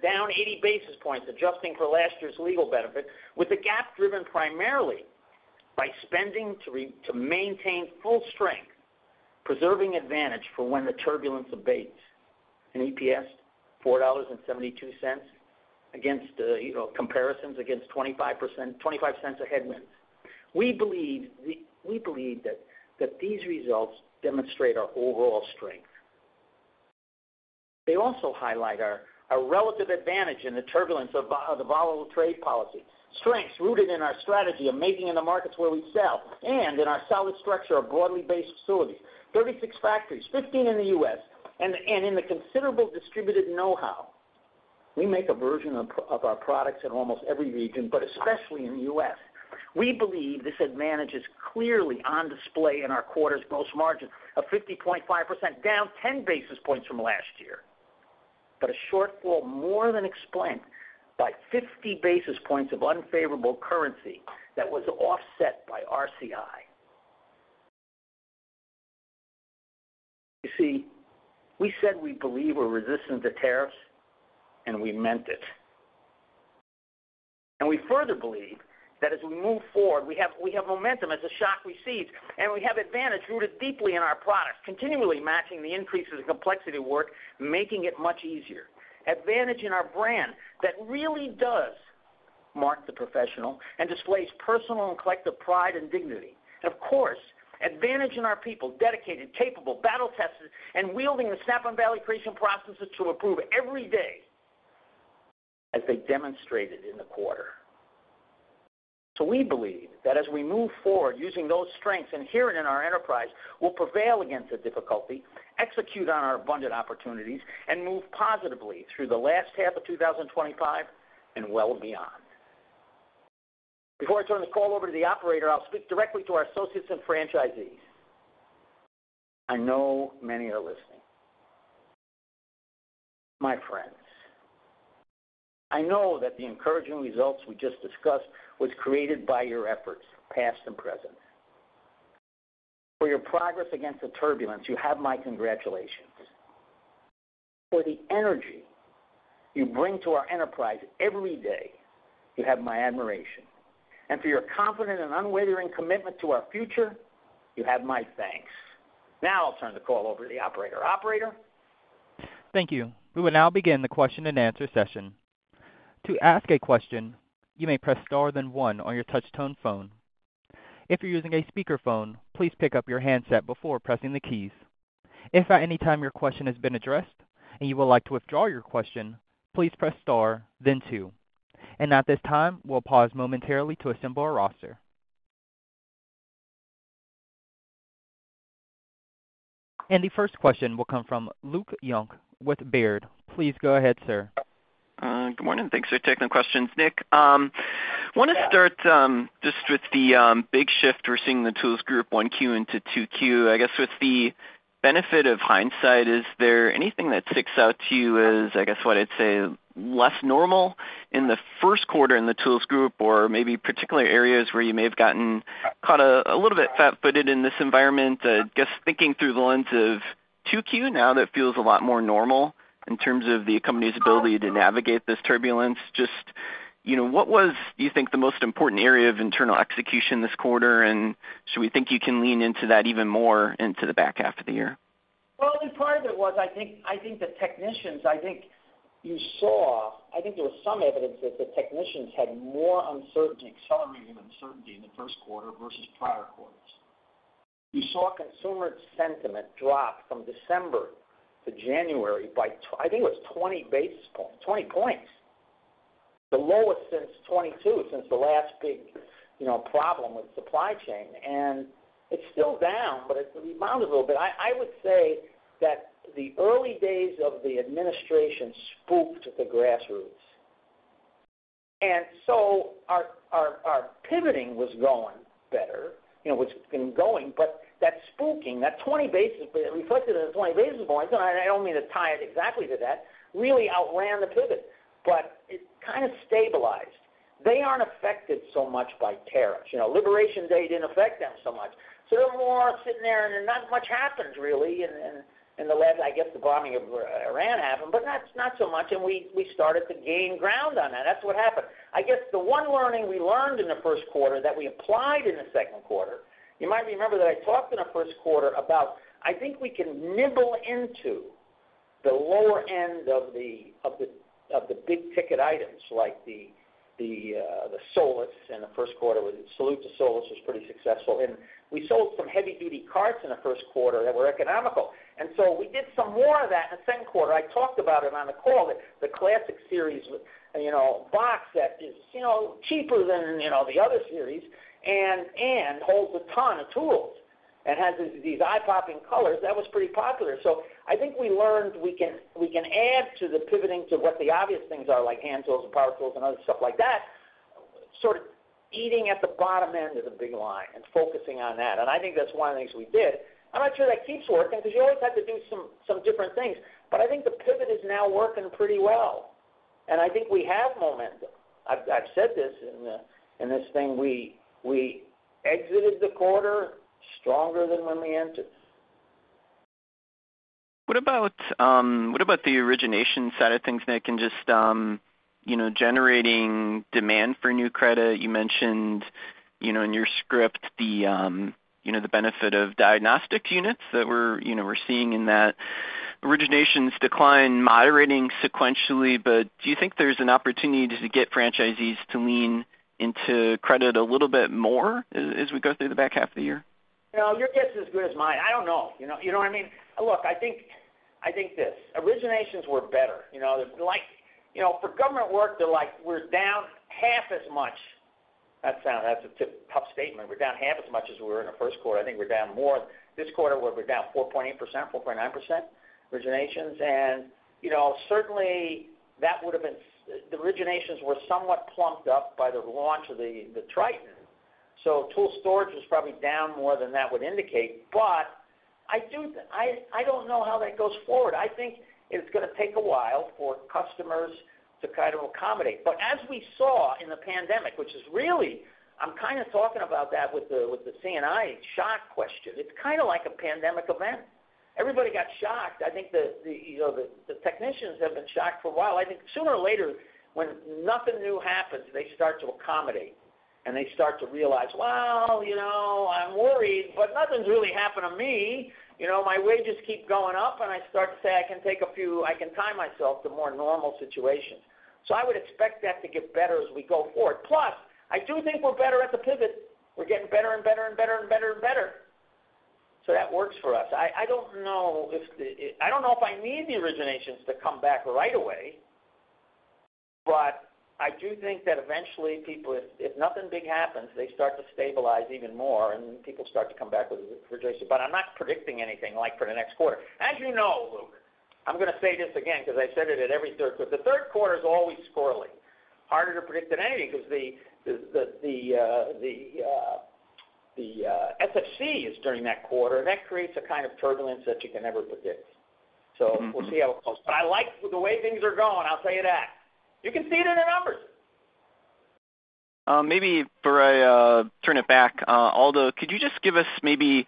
down 80 basis points, adjusting for last year's legal benefit, with the gap driven primarily by spending to maintain full strength, preserving advantage for when the turbulence abates, and EPS $4.72 against comparisons against a $0.25 headwind. We believe that these results demonstrate our overall strength. They also highlight our relative advantage in the turbulence of the volatile trade policy. Strengths rooted in our strategy of making in the markets where we sell and in our solid structure of broadly based facilities. 36 factories, 15 in the U.S., and in the considerable distributed know-how. We make a version of our products in almost every region, but especially in the U.S. We believe this advantage is clearly on display in our quarter's gross margin of 50.5%, down 10 basis points from last year, but a shortfall more than explained by 50 basis points of unfavorable currency that was offset by RCI. You see, we said we believe we're resistant to tariffs, and we meant it, and we further believe that as we move forward, we have momentum as the shock recedes, and we have advantage rooted deeply in our products, continually matching the increases in complexity of work, making it much easier. Advantage in our brand that really does mark the professional and displays personal and collective pride and dignity, and of course, advantage in our people, dedicated, capable, battle-tested, and wielding the Snap-on value creation processes to improve every day. As they demonstrated in the quarter, so we believe that as we move forward using those strengths inherent in our enterprise, we'll prevail against the difficulty, execute on our abundant opportunities, and move positively through the last half of 2025 and well beyond. Before I turn the call over to the operator, I'll speak directly to our associates and franchisees. I know many are listening. My friends, I know that the encouraging results we just discussed were created by your efforts, past and present. For your progress against the turbulence, you have my congratulations. For the energy you bring to our enterprise every day, you have my admiration. And for your confident and unwavering commitment to our future, you have my thanks. Now I'll turn the call over to the operator. Operator. Thank you. We will now begin the question and answer session. To ask a question, you may press star then one on your touch-tone phone. If you're using a speakerphone, please pick up your handset before pressing the keys. If at any time your question has been addressed and you would like to withdraw your question, please press star, then two. And at this time, we'll pause momentarily to assemble a roster. And the first question will come from Luke Junk with Baird. Please go ahead, sir. Good morning. Thanks for taking the questions, Nick. I want to start just with the big shift we're seeing in the Tools group, 1Q into 2Q. I guess with the benefit of hindsight, is there anything that sticks out to you as, I guess, what I'd say, less normal in the first quarter in the Tools Group or maybe particular areas where you may have gotten caught a little bit fat-footed in this environment? I guess thinking through the lens of 2Q, now that feels a lot more normal in terms of the company's ability to navigate this turbulence. Just what was, do you think, the most important area of internal execution this quarter? And should we think you can lean into that even more into the back half of the year? Part of it was, I think, the technicians. I think you saw, I think there was some evidence that the technicians had more uncertainty, accelerating uncertainty in the first quarter versus prior quarters. You saw consumer sentiment drop from December to January by, I think it was 20 basis points. The lowest since 2022, since the last big problem with supply chain. It's still down, but it's rebounded a little bit. I would say that the early days of the administration spooked the grassroots. Our pivoting was going better. It's been going, but that spooking, that 20 basis points, reflected in the 20 basis points, and I don't mean to tie it exactly to that, really outran the pivot. It kind of stabilized. They aren't affected so much by tariffs. Liberation Day didn't affect them so much. They're more sitting there and not much happened, really. The bombing of Iran happened, but not so much. We started to gain ground on that. That's what happened. The one learning we learned in the first quarter that we applied in the second quarter, you might remember that I talked in the first quarter about, I think we can nibble into the lower end of the big ticket items like the SOLUS in the first quarter. Salute to SOLUS was pretty successful. We sold some heavy-duty carts in the first quarter that were economical. We did some more of that in the second quarter. I talked about it on the call, the Classic Series box that is cheaper than the other series and holds a ton of tools and has these eye-popping colors. That was pretty popular. I think we learned we can add to the pivoting to what the obvious things are, like hand tools and power tools and other stuff like that. Sort of eating at the bottom end of the big line and focusing on that. I think that's one of the things we did. I'm not sure that keeps working because you always have to do some different things. The pivot is now working pretty well. I think we have momentum. I've said this in this thing. We exited the quarter stronger than when we entered. What about the origination side of things, Nick, and just generating demand for new credit? You mentioned in your script the benefit of diagnostic units that we're seeing in that origination's decline, moderating sequentially. But do you think there's an opportunity to get franchisees to lean into credit a little bit more as we go through the back half of the year? Well, your guess is as good as mine. I don't know. You know what I mean? Look, I think this. Originations were better. For government work, we're down half as much. That's a tough statement. We're down half as much as we were in the first quarter. I think we're down more. This quarter, we're down 4.8%-4.9% originations. And certainly, that would have been the originations were somewhat plumped up by the launch of the Triton. So tool storage was probably down more than that would indicate. But I don't know how that goes forward. I think it's going to take a while for customers to kind of accommodate. But as we saw in the pandemic, which is really, I'm kind of talking about that with the CNI shock question, it's kind of like a pandemic event. Everybody got shocked. I think. The technicians have been shocked for a while. I think sooner or later, when nothing new happens, they start to accommodate. And they start to realize, "Well, I'm worried, but nothing's really happened to me. My wages keep going up, and I start to say I can take a few, I can tie myself to more normal situations." So I would expect that to get better as we go forward. Plus, I do think we're better at the pivot. We're getting better and better and better and better and better. So that works for us. I don't know if I need the originations to come back right away. But I do think that eventually, if nothing big happens, they start to stabilize even more and people start to come back with the refrigeration. But I'm not predicting anything like for the next quarter. As you know, Luke, I'm going to say this again because I said it at every third quarter. The third quarter is always squirrely, harder to predict than anything because the SFC is during that quarter, and that creates a kind of turbulence that you can never predict. So we'll see how it goes. But I like the way things are going. I'll tell you that. You can see it in the numbers. Maybe before I turn it back, Aldo, could you just give us maybe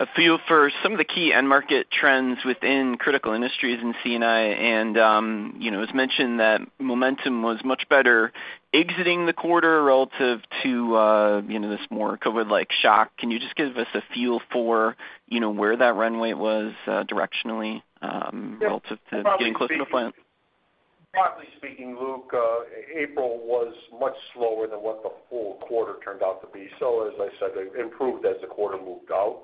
a feel for some of the key end market trends within critical industries in CNI? As mentioned, that momentum was much better exiting the quarter relative to this more COVID-like shock. Can you just give us a feel for where that runway was directionally. Yeah. Relative to getting closer to plan? Broadly speaking, Luke, April was much slower than what the full quarter turned out to be. So, as I said, it improved as the quarter moved out.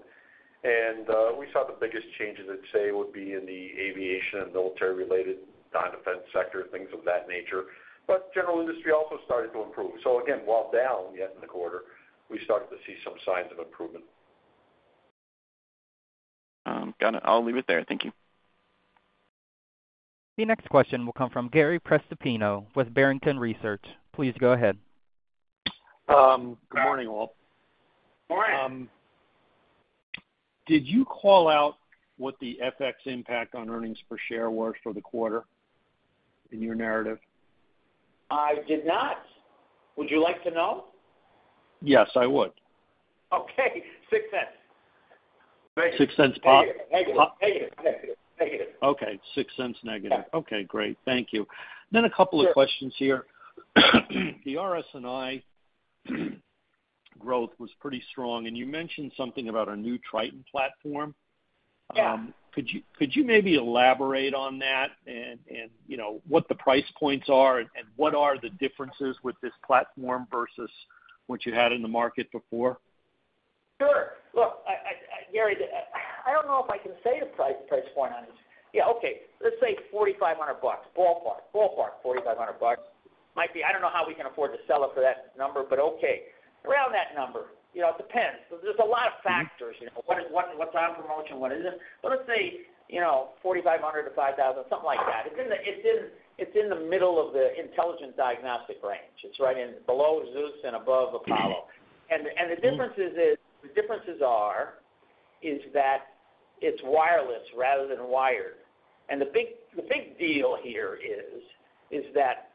And we saw the biggest changes, I'd say, would be in the aviation and military-related non-defense sector, things of that nature. But general industry also started to improve. So, again, while down yet in the quarter, we started to see some signs of improvement. Got it. I'll leave it there. Thank you. The next question will come from Gary Prestopino with Barrington Research. Please go ahead. Good morning, all. Morning. Did you call out what the FX impact on earnings per share was for the quarter? In your narrative? I did not. Would you like to know? Yes, I would. Okay. $0.06. $0.06 pop? Negative. Negative. Negative. Okay. -$0.06. Okay. Great. Thank you. Then a couple of questions here. The RS&I growth was pretty strong. And you mentioned something about a new Triton platform. Could you maybe elaborate on that and what the price points are and what are the differences with this platform versus what you had in the market before? Sure. Look, Gary, I don't know if I can say the price point on this. Yeah. Okay. Let's say $4,500, ballpark, ballpark $4,500. I don't know how we can afford to sell it for that number, but okay, around that number. It depends. There's a lot of factors. What's on promotion, what isn't? But let's say $4,500-$5,000, something like that. It's in the middle of the intelligent diagnostic range. It's right in below ZEUS and above APOLLO+, and the differences are that it's wireless rather than wired. And the big deal here is that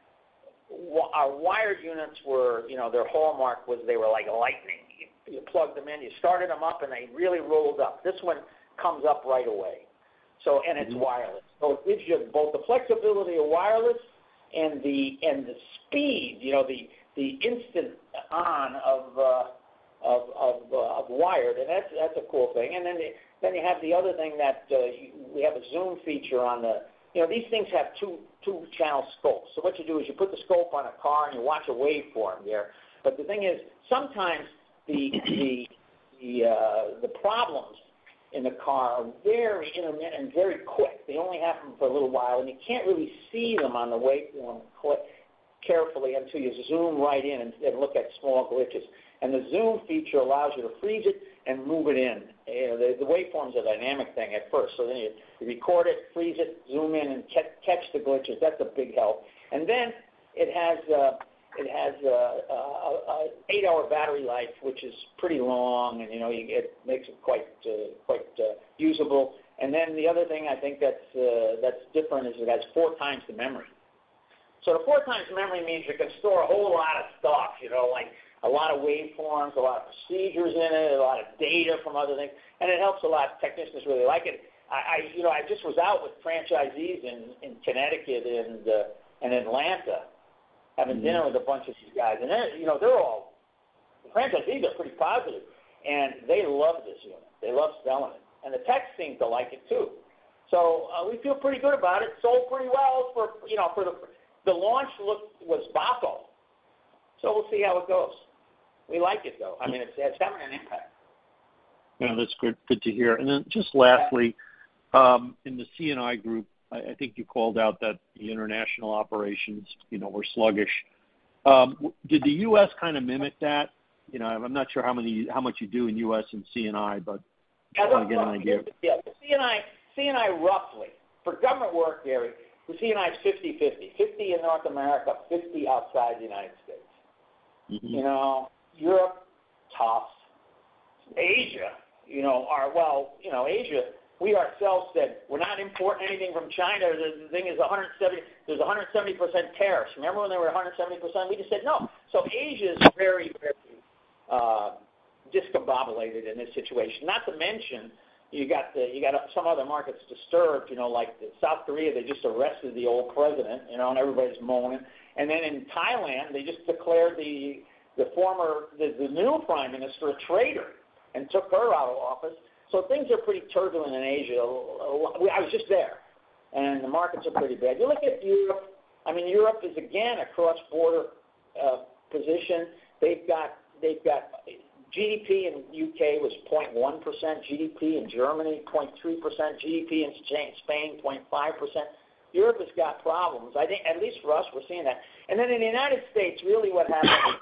our wired units, their hallmark was they were like lightning. You plugged them in, you started them up, and they really rolled up. This one comes up right away, and it's wireless. So it gives you both the flexibility of wireless and the speed, the instant on of wired, and that's a cool thing. And then you have the other thing that we have a zoom feature on; these things have two-channel scopes. So what you do is you put the scope on a car and you watch a waveform there. But the thing is, sometimes the problems in the car are very intermittent and very quick. They only happen for a little while, and you can't really see them on the waveform carefully until you zoom right in and look at small glitches, and the zoom feature allows you to freeze it and move it in. The waveform is a dynamic thing at first. So then you record it, freeze it, zoom in, and catch the glitches. That's a big help, and then it has an eight-hour battery life, which is pretty long, and it makes it quite usable, and then the other thing I think that's different is it has four times the memory. So the four times memory means you can store a whole lot of stuff, like a lot of waveforms, a lot of procedures in it, a lot of data from other things. And it helps a lot. Technicians really like it. I just was out with franchisees in Connecticut and Atlanta, having dinner with a bunch of these guys. And they're all franchisees, they're pretty positive. And they love this unit. They love selling it. And the tech seemed to like it too. So we feel pretty good about it. Sold pretty well for the launch was robust. So we'll see how it goes. We like it, though. I mean, it's having an impact. Yeah. That's good to hear. And then just lastly. In the CNI group, I think you called out that the international operations were sluggish. Did the U.S. kind of mimic that? I'm not sure how much you do in U.S. and CNI, but just want to get an idea. Yeah. CNI, roughly. For government work, Gary, the CNI is 50/50. 50 in North America, 50 outside the United States. Europe, tough. Asia. Well, Asia, we ourselves said, "We're not importing anything from China." The thing is, there's 170% tariffs. Remember when they were 170%? We just said, "No." So Asia is very, very discombobulated in this situation. Not to mention, you got some other markets disturbed, like South Korea. They just arrested the old president, and everybody's moaning. And then in Thailand, they just declared the new prime minister a traitor and took her out of office. So things are pretty turbulent in Asia. I was just there. And the markets are pretty bad. You look at Europe, I mean, Europe is, again, a cross-border position. They've got GDP in the UK was 0.1%, GDP in Germany, 0.3%, GDP in Spain, 0.5%. Europe has got problems. At least for us, we're seeing that. And then in the United States, really what happened is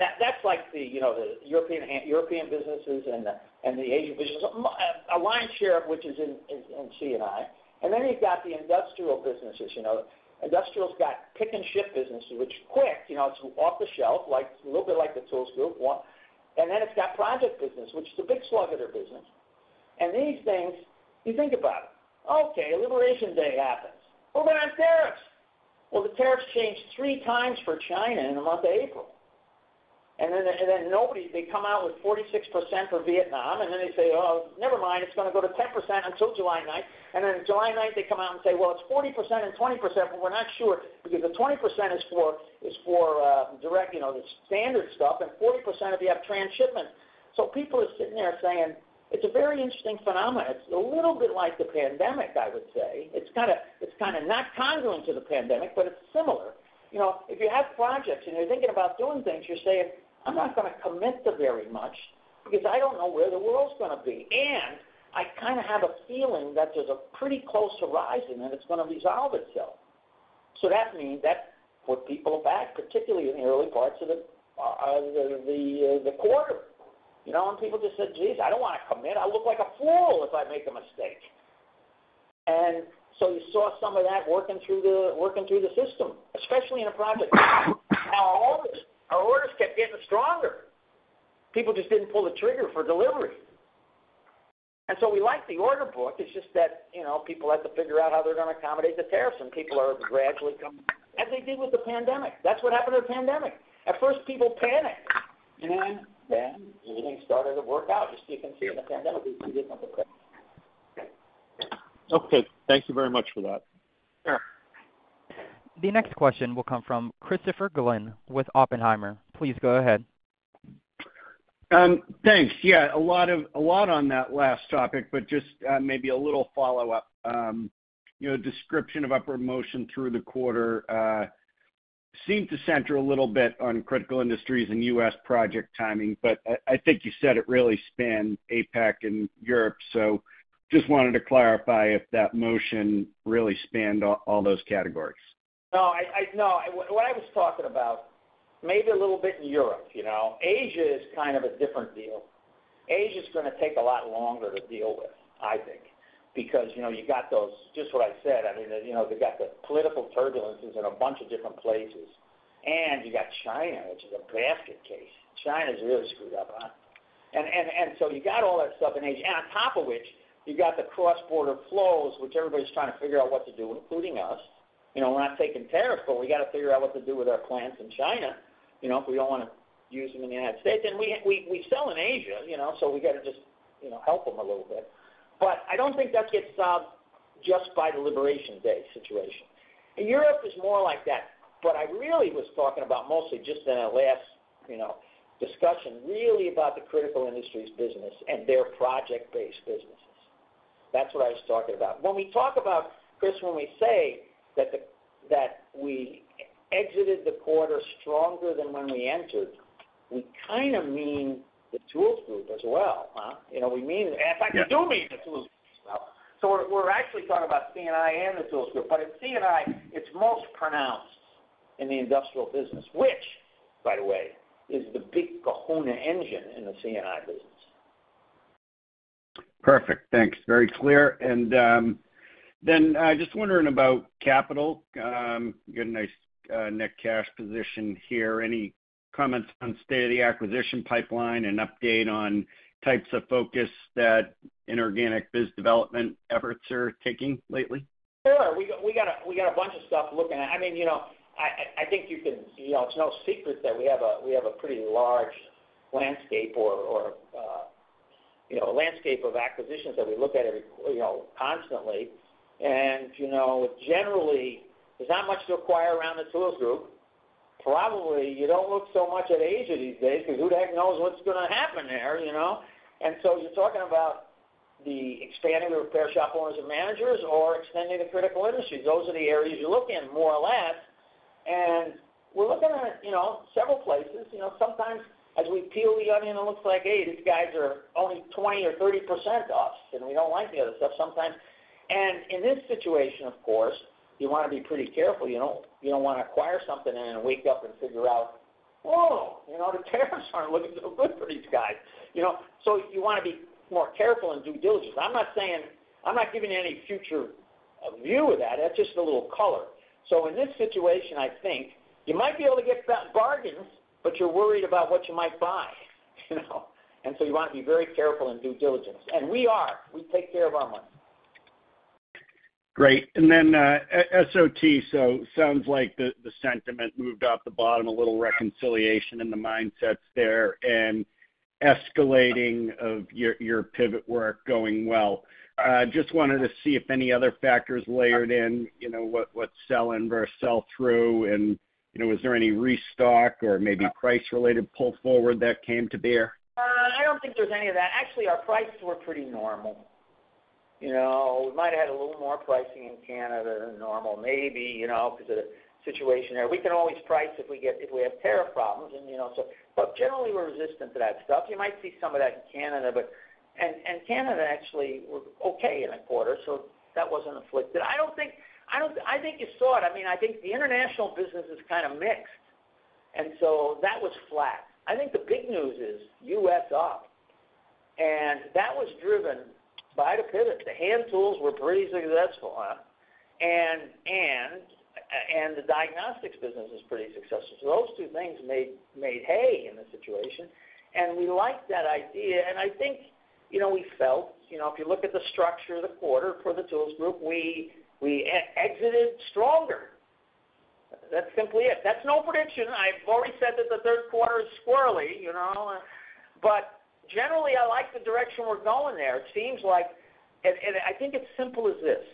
that's like the European businesses and the Asian businesses. Our lion's share, which is in CNI. And then you've got the industrial businesses. Industrials got pick-and-ship businesses, which quick, it's off the shelf, a little bit like the Tools Group. And then it's got project business, which is a big sluggard business. And these things, you think about it. Okay. Liberation Day happens. We're going to have tariffs. Well, the tariffs changed three times for China in the month of April. And then they come out with 46% for Vietnam, and then they say, "Oh, never mind. It's going to go to 10% until July 9th." And then July 9th, they come out and say, "Well, it's 40% and 20%, but we're not sure because the 20% is for direct, the standard stuff, and 40% if you have transshipment." So people are sitting there saying, "It's a very interesting phenomenon." It's a little bit like the pandemic, I would say. It's kind of not congruent to the pandemic, but it's similar. If you have projects and you're thinking about doing things, you're saying, "I'm not going to commit to very much because I don't know where the world's going to be." And I kind of have a feeling that there's a pretty close horizon and it's going to resolve itself. So that means that put people back, particularly in the early parts of the quarter. And people just said, "Jeez, I don't want to commit. I'll look like a fool if I make a mistake." And so you saw some of that working through the system, especially in a project. Now, our orders kept getting stronger. People just didn't pull the trigger for delivery. And so we like the order book. It's just that people have to figure out how they're going to accommodate the tariffs, and people are gradually coming, as they did with the pandemic. That's what happened with the pandemic. At first, people panicked. And then everything started to work out. Just so you can see, in the pandemic, we didn't get no protection. Okay. Thank you very much for that. Sure. The next question will come from Christopher Glynn with Oppenheimer. Please go ahead. Thanks. Yeah. A lot on that last topic, but just maybe a little follow-up. Description of upward motion through the quarter. Seemed to center a little bit on critical industries and U.S. project timing. But I think you said it really spanned APAC and Europe. So just wanted to clarify if that motion really spanned all those categories. No. No. What I was talking about. Maybe a little bit in Europe. Asia is kind of a different deal. Asia is going to take a lot longer to deal with, I think, because you got those, just what I said. I mean, they got the political turbulences in a bunch of different places. And you got China, which is a basket case. China is really screwed up. And so you got all that stuff in Asia. And on top of which, you got the cross-border flows, which everybody's trying to figure out what to do, including us. We're not taking tariffs, but we got to figure out what to do with our plants in China if we don't want to use them in the United States. And we sell in Asia, so we got to just help them a little bit. But I don't think that gets solved just by the Liberation Day situation. Europe is more like that. But I really was talking about mostly just in our last discussion, really about the critical industries business and their project-based businesses. That's what I was talking about. When we talk about, Chris, when we say that we exited the quarter stronger than when we entered, we kind of mean the Tools Group as well, huh? We mean the, in fact, we do mean the Tools Group as well. So we're actually talking about CNI and the Tools Group. But in CNI, it's most pronounced in the industrial business, which, by the way, is the big kahuna engine in the CNI business. Perfect. Thanks. Very clear. And then just wondering about capital. You got a nice net cash position here. Any comments on state of the acquisition pipeline and update on types of focus that inorganic biz development efforts are taking lately? Sure. We got a bunch of stuff looking at. I mean, I think you can, it's no secret that we have a pretty large landscape of acquisitions that we look at constantly. Generally, there's not much to acquire around the Tools Group. Probably you don't look so much at Asia these days because who the heck knows what's going to happen there. And so you're talking about expanding the repair shop owners and managers or extending the critical industries. Those are the areas you're looking at, more or less. And we're looking at several places. Sometimes, as we peel the onion, it looks like, "Hey, these guys are only 20% or 30% off," and we don't like the other stuff sometimes. And in this situation, of course, you want to be pretty careful. You don't want to acquire something and then wake up and figure out, "Oh, the tariffs aren't looking so good for these guys." So you want to be more careful and do due diligence. I'm not saying, I'm not giving you any future view of that. That's just a little color. In this situation, I think you might be able to get some bargains, but you're worried about what you might buy. You want to be very careful and do due diligence. We are. We take care of our money. Great. And then SOT, so it sounds like the sentiment moved off the bottom, a little reconciliation in the mindsets there, and escalating of your pivot work going well. Just wanted to see if any other factors layered in, what's sell-in versus sell-through, and was there any restock or maybe price-related pull forward that came to bear? I don't think there's any of that. Actually, our prices were pretty normal. We might have had a little more pricing in Canada than normal, maybe, because of the situation there. We can always price if we have tariff problems, but generally, we're resistant to that stuff. You might see some of that in Canada, and Canada actually was okay in the quarter, so that wasn't afflicted. I think you saw it. I mean, I think the international business is kind of mixed, and so that was flat. I think the big news is U.S. up, and that was driven by the pivot. The hand tools were pretty successful. The diagnostics business is pretty successful. So those two things made hay in the situation, and we liked that idea, and I think we felt if you look at the structure of the quarter for the Tools Group, we exited stronger. That's simply it. That's no prediction. I've already said that the third quarter is squirrely, but generally, I like the direction we're going there. It seems like, and I think it's simple as this.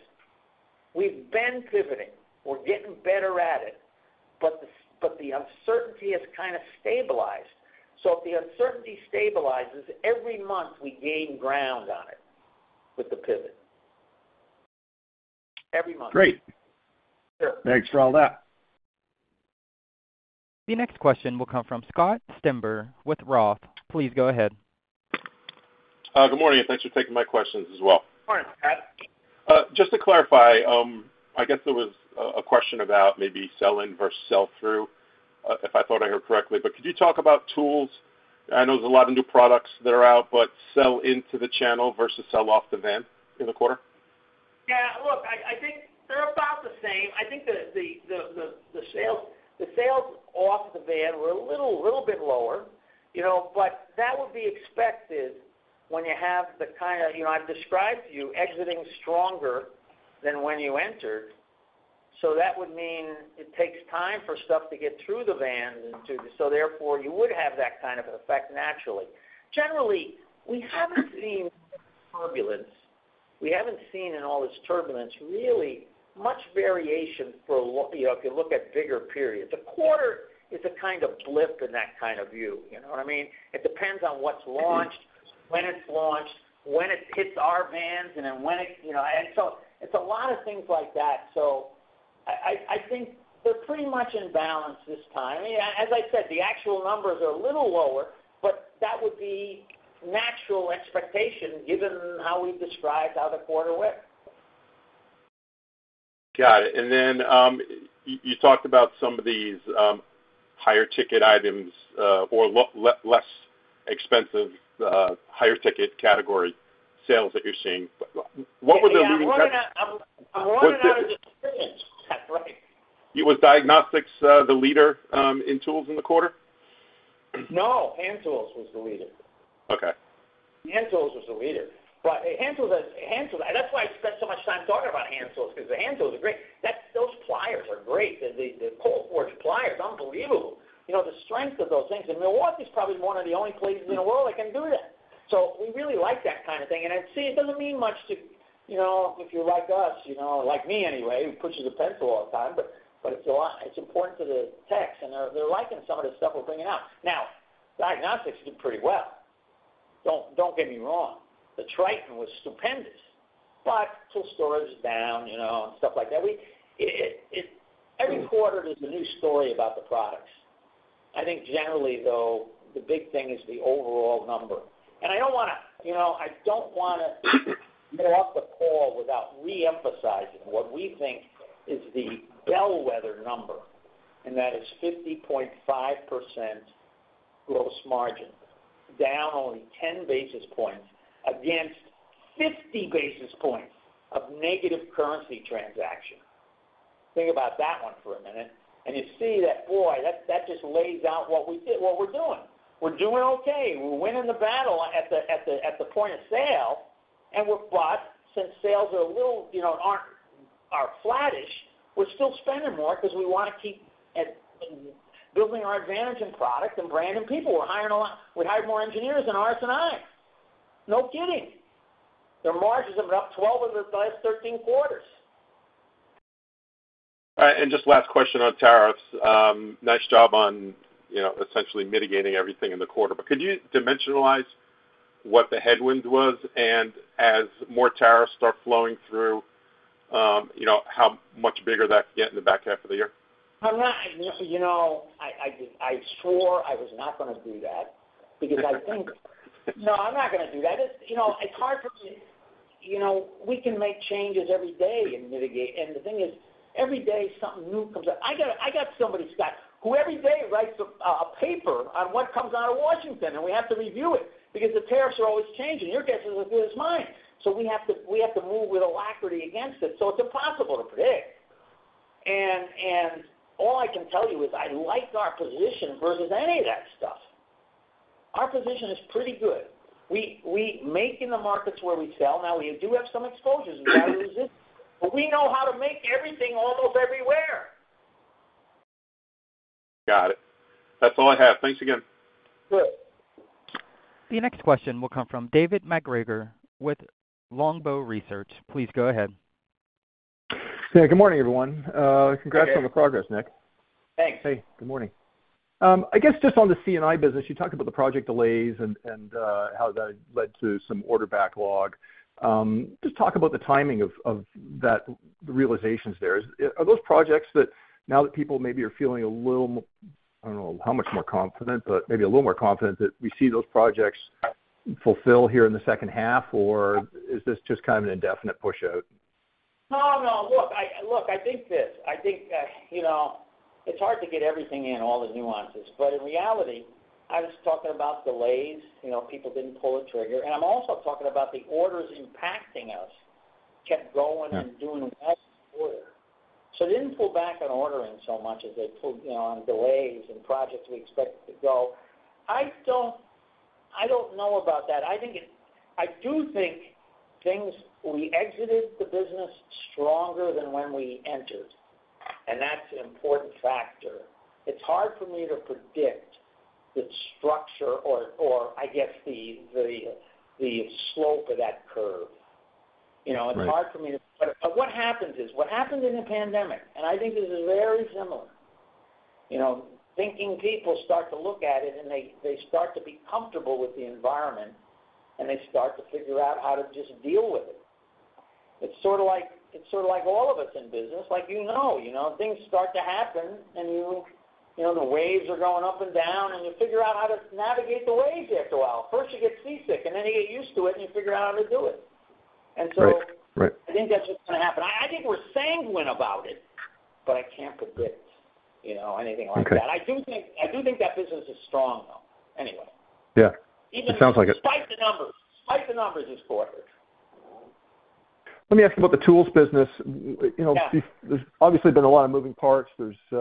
We've been pivoting. We're getting better at it, but the uncertainty has kind of stabilized. So if the uncertainty stabilizes, every month we gain ground on it with the pivot. Every month. Great. Thanks for all that. The next question will come from Scott Stember with Roth. Please go ahead. Good morning. Thanks for taking my questions as well. Morning, Scott. Just to clarify, I guess there was a question about maybe sell-in versus sell-through, if I thought I heard correctly. But could you talk about tools? I know there's a lot of new products that are out, but sell-in to the channel versus sell-through to the van in the quarter? Yeah. Look, I think they're about the same. I think. The sales off the van were a little bit lower. But that would be expected when you have the kind of I've described to you exiting stronger than when you entered. So that would mean it takes time for stuff to get through the van. So therefore, you would have that kind of effect naturally. Generally, we haven't seen turbulence. We haven't seen in all this turbulence, really, much variation for if you look at bigger periods. The quarter is a kind of blip in that kind of view. You know what I mean? It depends on what's launched, when it's launched, when it hits our vans, and then when it and so it's a lot of things like that. So. I think they're pretty much in balance this time. I mean, as I said, the actual numbers are a little lower, but that would be natural expectation given how we've described how the quarter went. Got it, and then you talked about some of these higher-ticket items or less expensive higher-ticket category sales that you're seeing. What were the leading- I'm warning you. I'm warning you. What were the... That's right. Was diagnostics the leader in tools in the quarter? No. Hand tools was the leader. Okay. Hand tools was the leader. But hand tools, and that's why I spent so much time talking about hand tools because the hand tools are great. Those pliers are great. The Colesworth pliers, unbelievable. The strength of those things. And Milwaukee is probably one of the only places in the world that can do that. So we really like that kind of thing. And see, it doesn't mean much to, if you're like us, like me anyway, who pushes a pencil all the time, but it's important to the tech. And they're liking some of the stuff we're bringing out. Now, diagnostics did pretty well. Don't get me wrong. The Triton was stupendous. But tool storage is down and stuff like that. Every quarter there's a new story about the products. I think, generally, though, the big thing is the overall number. And I don't want to. I don't want to interrupt the call without reemphasizing what we think is the bellwether number. And that is 50.5%. Gross margin, down only 10 basis points against 50 basis points of negative currency transaction. Think about that one for a minute. And you see that, boy, that just lays out what we're doing. We're doing okay. We're winning the battle at the point of sale. But since sales are a little are flattish, we're still spending more because we want to keep building our advantage in product and brand and people. We're hiring more engineers than RS&I. No kidding. Their margins have been up 12 of the last 13 quarters. All right. And just last question on tariffs. Nice job on essentially mitigating everything in the quarter. But could you dimensionalize what the headwind was? And as more tariffs start flowing through, how much bigger that could get in the back half of the year? I'm not—I swore I was not going to do that because I think—No, I'm not going to do that. It's hard for me—We can make changes every day and mitigate. And the thing is, every day something new comes up. I got somebody, Scott, who every day writes a paper on what comes out of Washington. And we have to review it because the tariffs are always changing. Your guess is as good as mine. So we have to move with alacrity against it. So it's impossible to predict. And all I can tell you is I like our position versus any of that stuff. Our position is pretty good. We make in the markets where we sell. Now, we do have some exposures. We got to resist. But we know how to make everything almost everywhere. Got it. That's all I have. Thanks again. Good. The next question will come from David MacGregor with Longbow Research. Please go ahead. Yeah. Good morning, everyone. Congrats on the progress, Nick. Thanks. Hey. Good morning. I guess just on the CNI business, you talked about the project delays and how that led to some order backlog. Just talk about the timing of the realizations there. Are those projects that now that people maybe are feeling a little—I don't know how much more confident, but maybe a little more confident—that we see those projects fulfill here in the second half, or is this just kind of an indefinite push out? No, no. Look, I think this. I think. It's hard to get everything in, all the nuances. But in reality, I was talking about delays. People didn't pull the trigger. And I'm also talking about the orders impacting us. Kept going and doing well in the quarter. So they didn't pull back on ordering so much as they pulled on delays and projects we expected to go. I don't know about that. I do think things, we exited the business stronger than when we entered. And that's an important factor. It's hard for me to predict the structure or, I guess, the slope of that curve. It's hard for me to, but what happens is what happened in the pandemic, and I think this is very similar, thinking people start to look at it and they start to be comfortable with the environment and they start to figure out how to just deal with it. It's sort of like all of us in business. Like you know, things start to happen and the waves are going up and down and you figure out how to navigate the waves after a while. First, you get seasick and then you get used to it and you figure out how to do it. And so I think that's what's going to happen. I think we're sanguine about it, but I can't predict anything like that. I do think that business is strong, though. Anyway. Yeah. Sounds like it. Even despite the numbers. Despite the numbers this quarter. Let me ask about the tools business. There's obviously been a lot of moving parts. There's a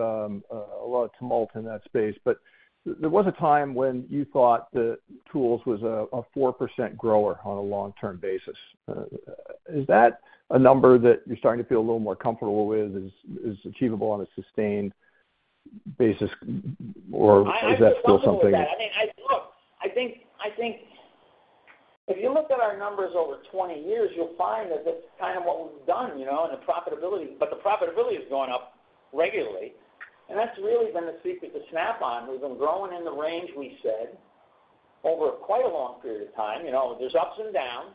lot of tumult in that space. But there was a time when you thought that tools was a 4% grower on a long-term basis. Is that a number that you're starting to feel a little more comfortable with? Is achievable on a sustained basis? Or is that still something? I think so. If you look at our numbers over 20 years, you'll find that that's kind of what we've done in the profitability. But the profitability has gone up regularly. And that's really been the secret to Snap-on. We've been growing in the range we said over quite a long period of time. There's ups and downs.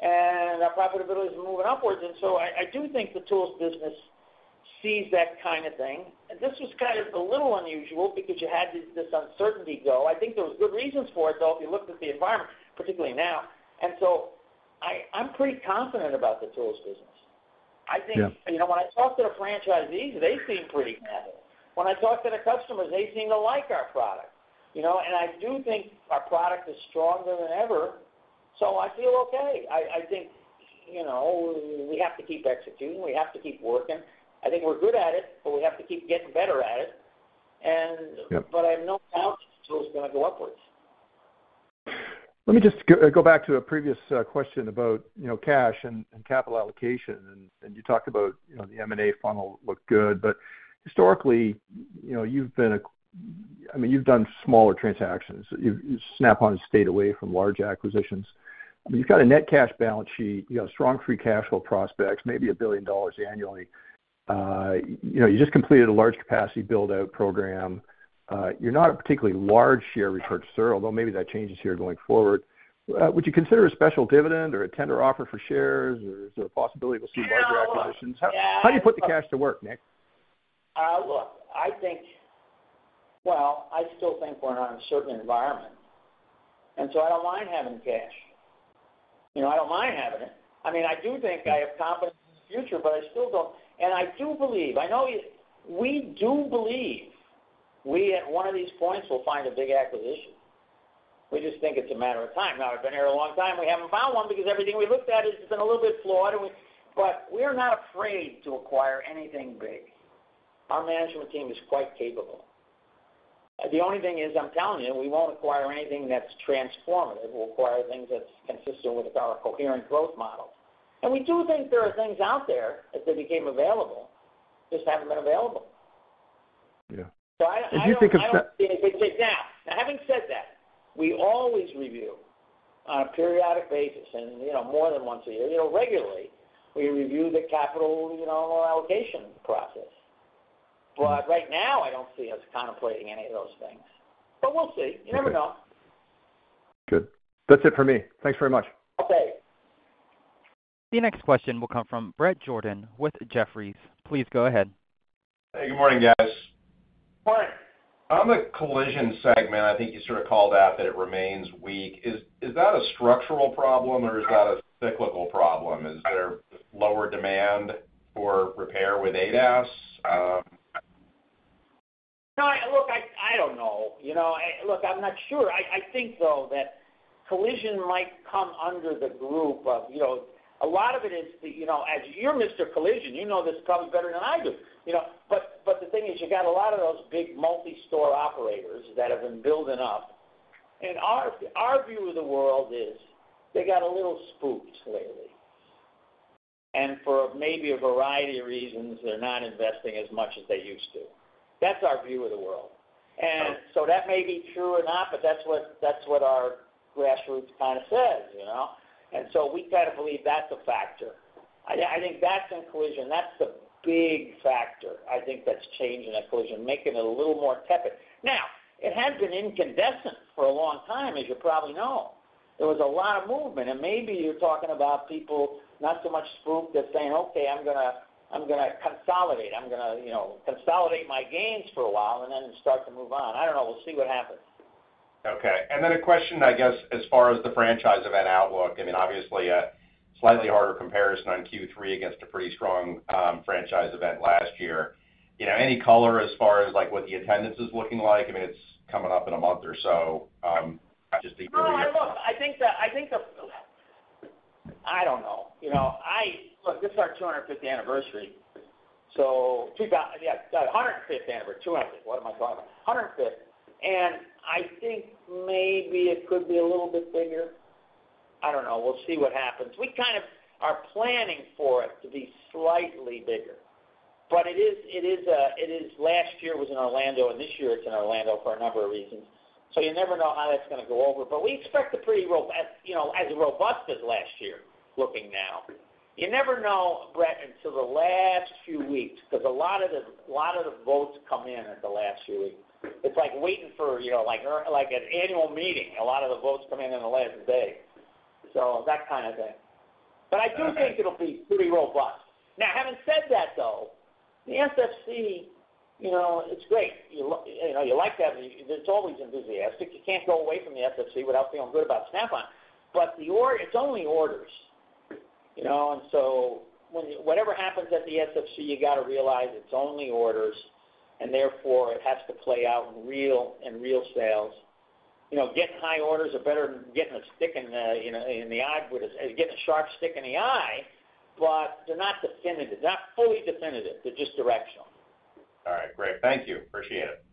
And our profitability is moving upwards. And so I do think the tools business sees that kind of thing. And this was kind of a little unusual because you had this uncertainty go. I think there were good reasons for it, though, if you looked at the environment, particularly now. And so I'm pretty confident about the tools business. I think when I talk to the franchisees, they seem pretty happy. When I talk to the customers, they seem to like our product. And I do think our product is stronger than ever. So I feel okay. We have to keep executing. We have to keep working. I think we're good at it, but we have to keep getting better at it. But I have no doubt that the tools are going to go upwards. Let me just go back to a previous question about cash and capital allocation, and you talked about the M&A funnel looked good. But historically, you've been a—I mean, you've done smaller transactions. You've shied away from large acquisitions. I mean, you've got a net cash balance sheet. You've got strong free cash flow prospects, maybe $1 billion annually. You just completed a large capacity build-out program. You're not a particularly large share repurchaser, although maybe that changes here going forward. Would you consider a special dividend or a tender offer for shares? Or is there a possibility we'll see larger acquisitions? How do you put the cash to work, Nick? Look, I think. Well, I still think we're in an uncertain environment. And so I don't mind having cash. I don't mind having it. I mean, I do think I have confidence in the future, but I still don't, and I do believe. I know we do believe. We at one of these points will find a big acquisition. We just think it's a matter of time. Now, we've been here a long time. We haven't found one because everything we looked at has been a little bit flawed. But we're not afraid to acquire anything big. Our management team is quite capable. The only thing is, I'm telling you, we won't acquire anything that's transformative. We'll acquire things that's consistent with our coherent growth model. And we do think there are things out there that became available, just haven't been available. Yeah. Did you think of- Now, having said that, we always review on a periodic basis and more than once a year. Regularly, we review the capital allocation process. But right now, I don't see us contemplating any of those things. But we'll see. You never know. Good. That's it for me. Thanks very much. Okay. The next question will come from Bret Jordan with Jefferies. Please go ahead. Hey, good morning, guys. Morning. On the collision segment, I think you sort of called out that it remains weak. Is that a structural problem or is that a cyclical problem? Is there lower demand for repair with ADAS? Look, I don't know. Look, I'm not sure. I think, though, that collision might come under the group of. A lot of it is, as you're Mr. Collision, you know this probably better than I do. But the thing is, you've got a lot of those big multi-store operators that have been building up. And our view of the world is they got a little spooked lately. And for maybe a variety of reasons, they're not investing as much as they used to. That's our view of the world. And so that may be true or not, but that's what our grassroots kind of says. And so we kind of believe that's a factor. I think that's in collision. That's the big factor, I think, that's changing that collision, making it a little more tepid. Now, it has been incandescent for a long time, as you probably know. There was a lot of movement. And maybe you're talking about people not so much spooked as saying, "Okay, I'm going to consolidate. I'm going to consolidate my gains for a while and then start to move on." I don't know. We'll see what happens. Okay. And then a question, I guess, as far as the franchise event outlook. I mean, obviously, a slightly harder comparison on Q3 against a pretty strong franchise event last year. Any color as far as what the attendance is looking like? I mean, it's coming up in a month or so. Just the earlier. Look, I think the—I don't know. Look, this is our 250th anniversary. So, 105th anniversary, 205th. What am I talking about? 105th. And I think maybe it could be a little bit bigger. I don't know. We'll see what happens. We kind of are planning for it to be slightly bigger. But it is—last year was in Orlando, and this year it's in Orlando for a number of reasons. So you never know how that's going to go over. But we expect a pretty robust—as robust as last year looking now. You never know, Bret, until the last few weeks because a lot of the votes come in at the last few weeks. It's like waiting for an annual meeting. A lot of the votes come in in the last day. So that kind of thing. But I do think it'll be pretty robust. Now, having said that, though, the SFC, it's great. You like that. It's always enthusiastic. You can't go away from the SFC without feeling good about Snap-on. But it's only orders. And so whatever happens at the SFC, you got to realize it's only orders. And therefore, it has to play out in real sales. Getting high orders is better than getting a stick in the eye. Getting a sharp stick in the eye, but they're not definitive. They're not fully definitive. They're just directional. All right. Great. Thank you. Appreciate it.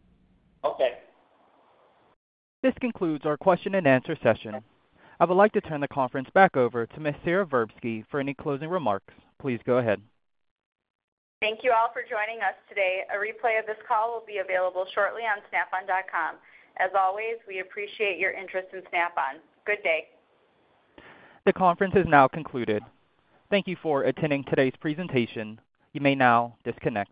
Okay. This concludes our question-and-answer session. I would like to turn the conference back over to Ms. Sara Verbsky for any closing remarks. Please go ahead. Thank you all for joining us today. A replay of this call will be available shortly on snapon.com. As always, we appreciate your interest in Snap-on. Good day. The conference is now concluded. Thank you for attending today's presentation. You may now disconnect.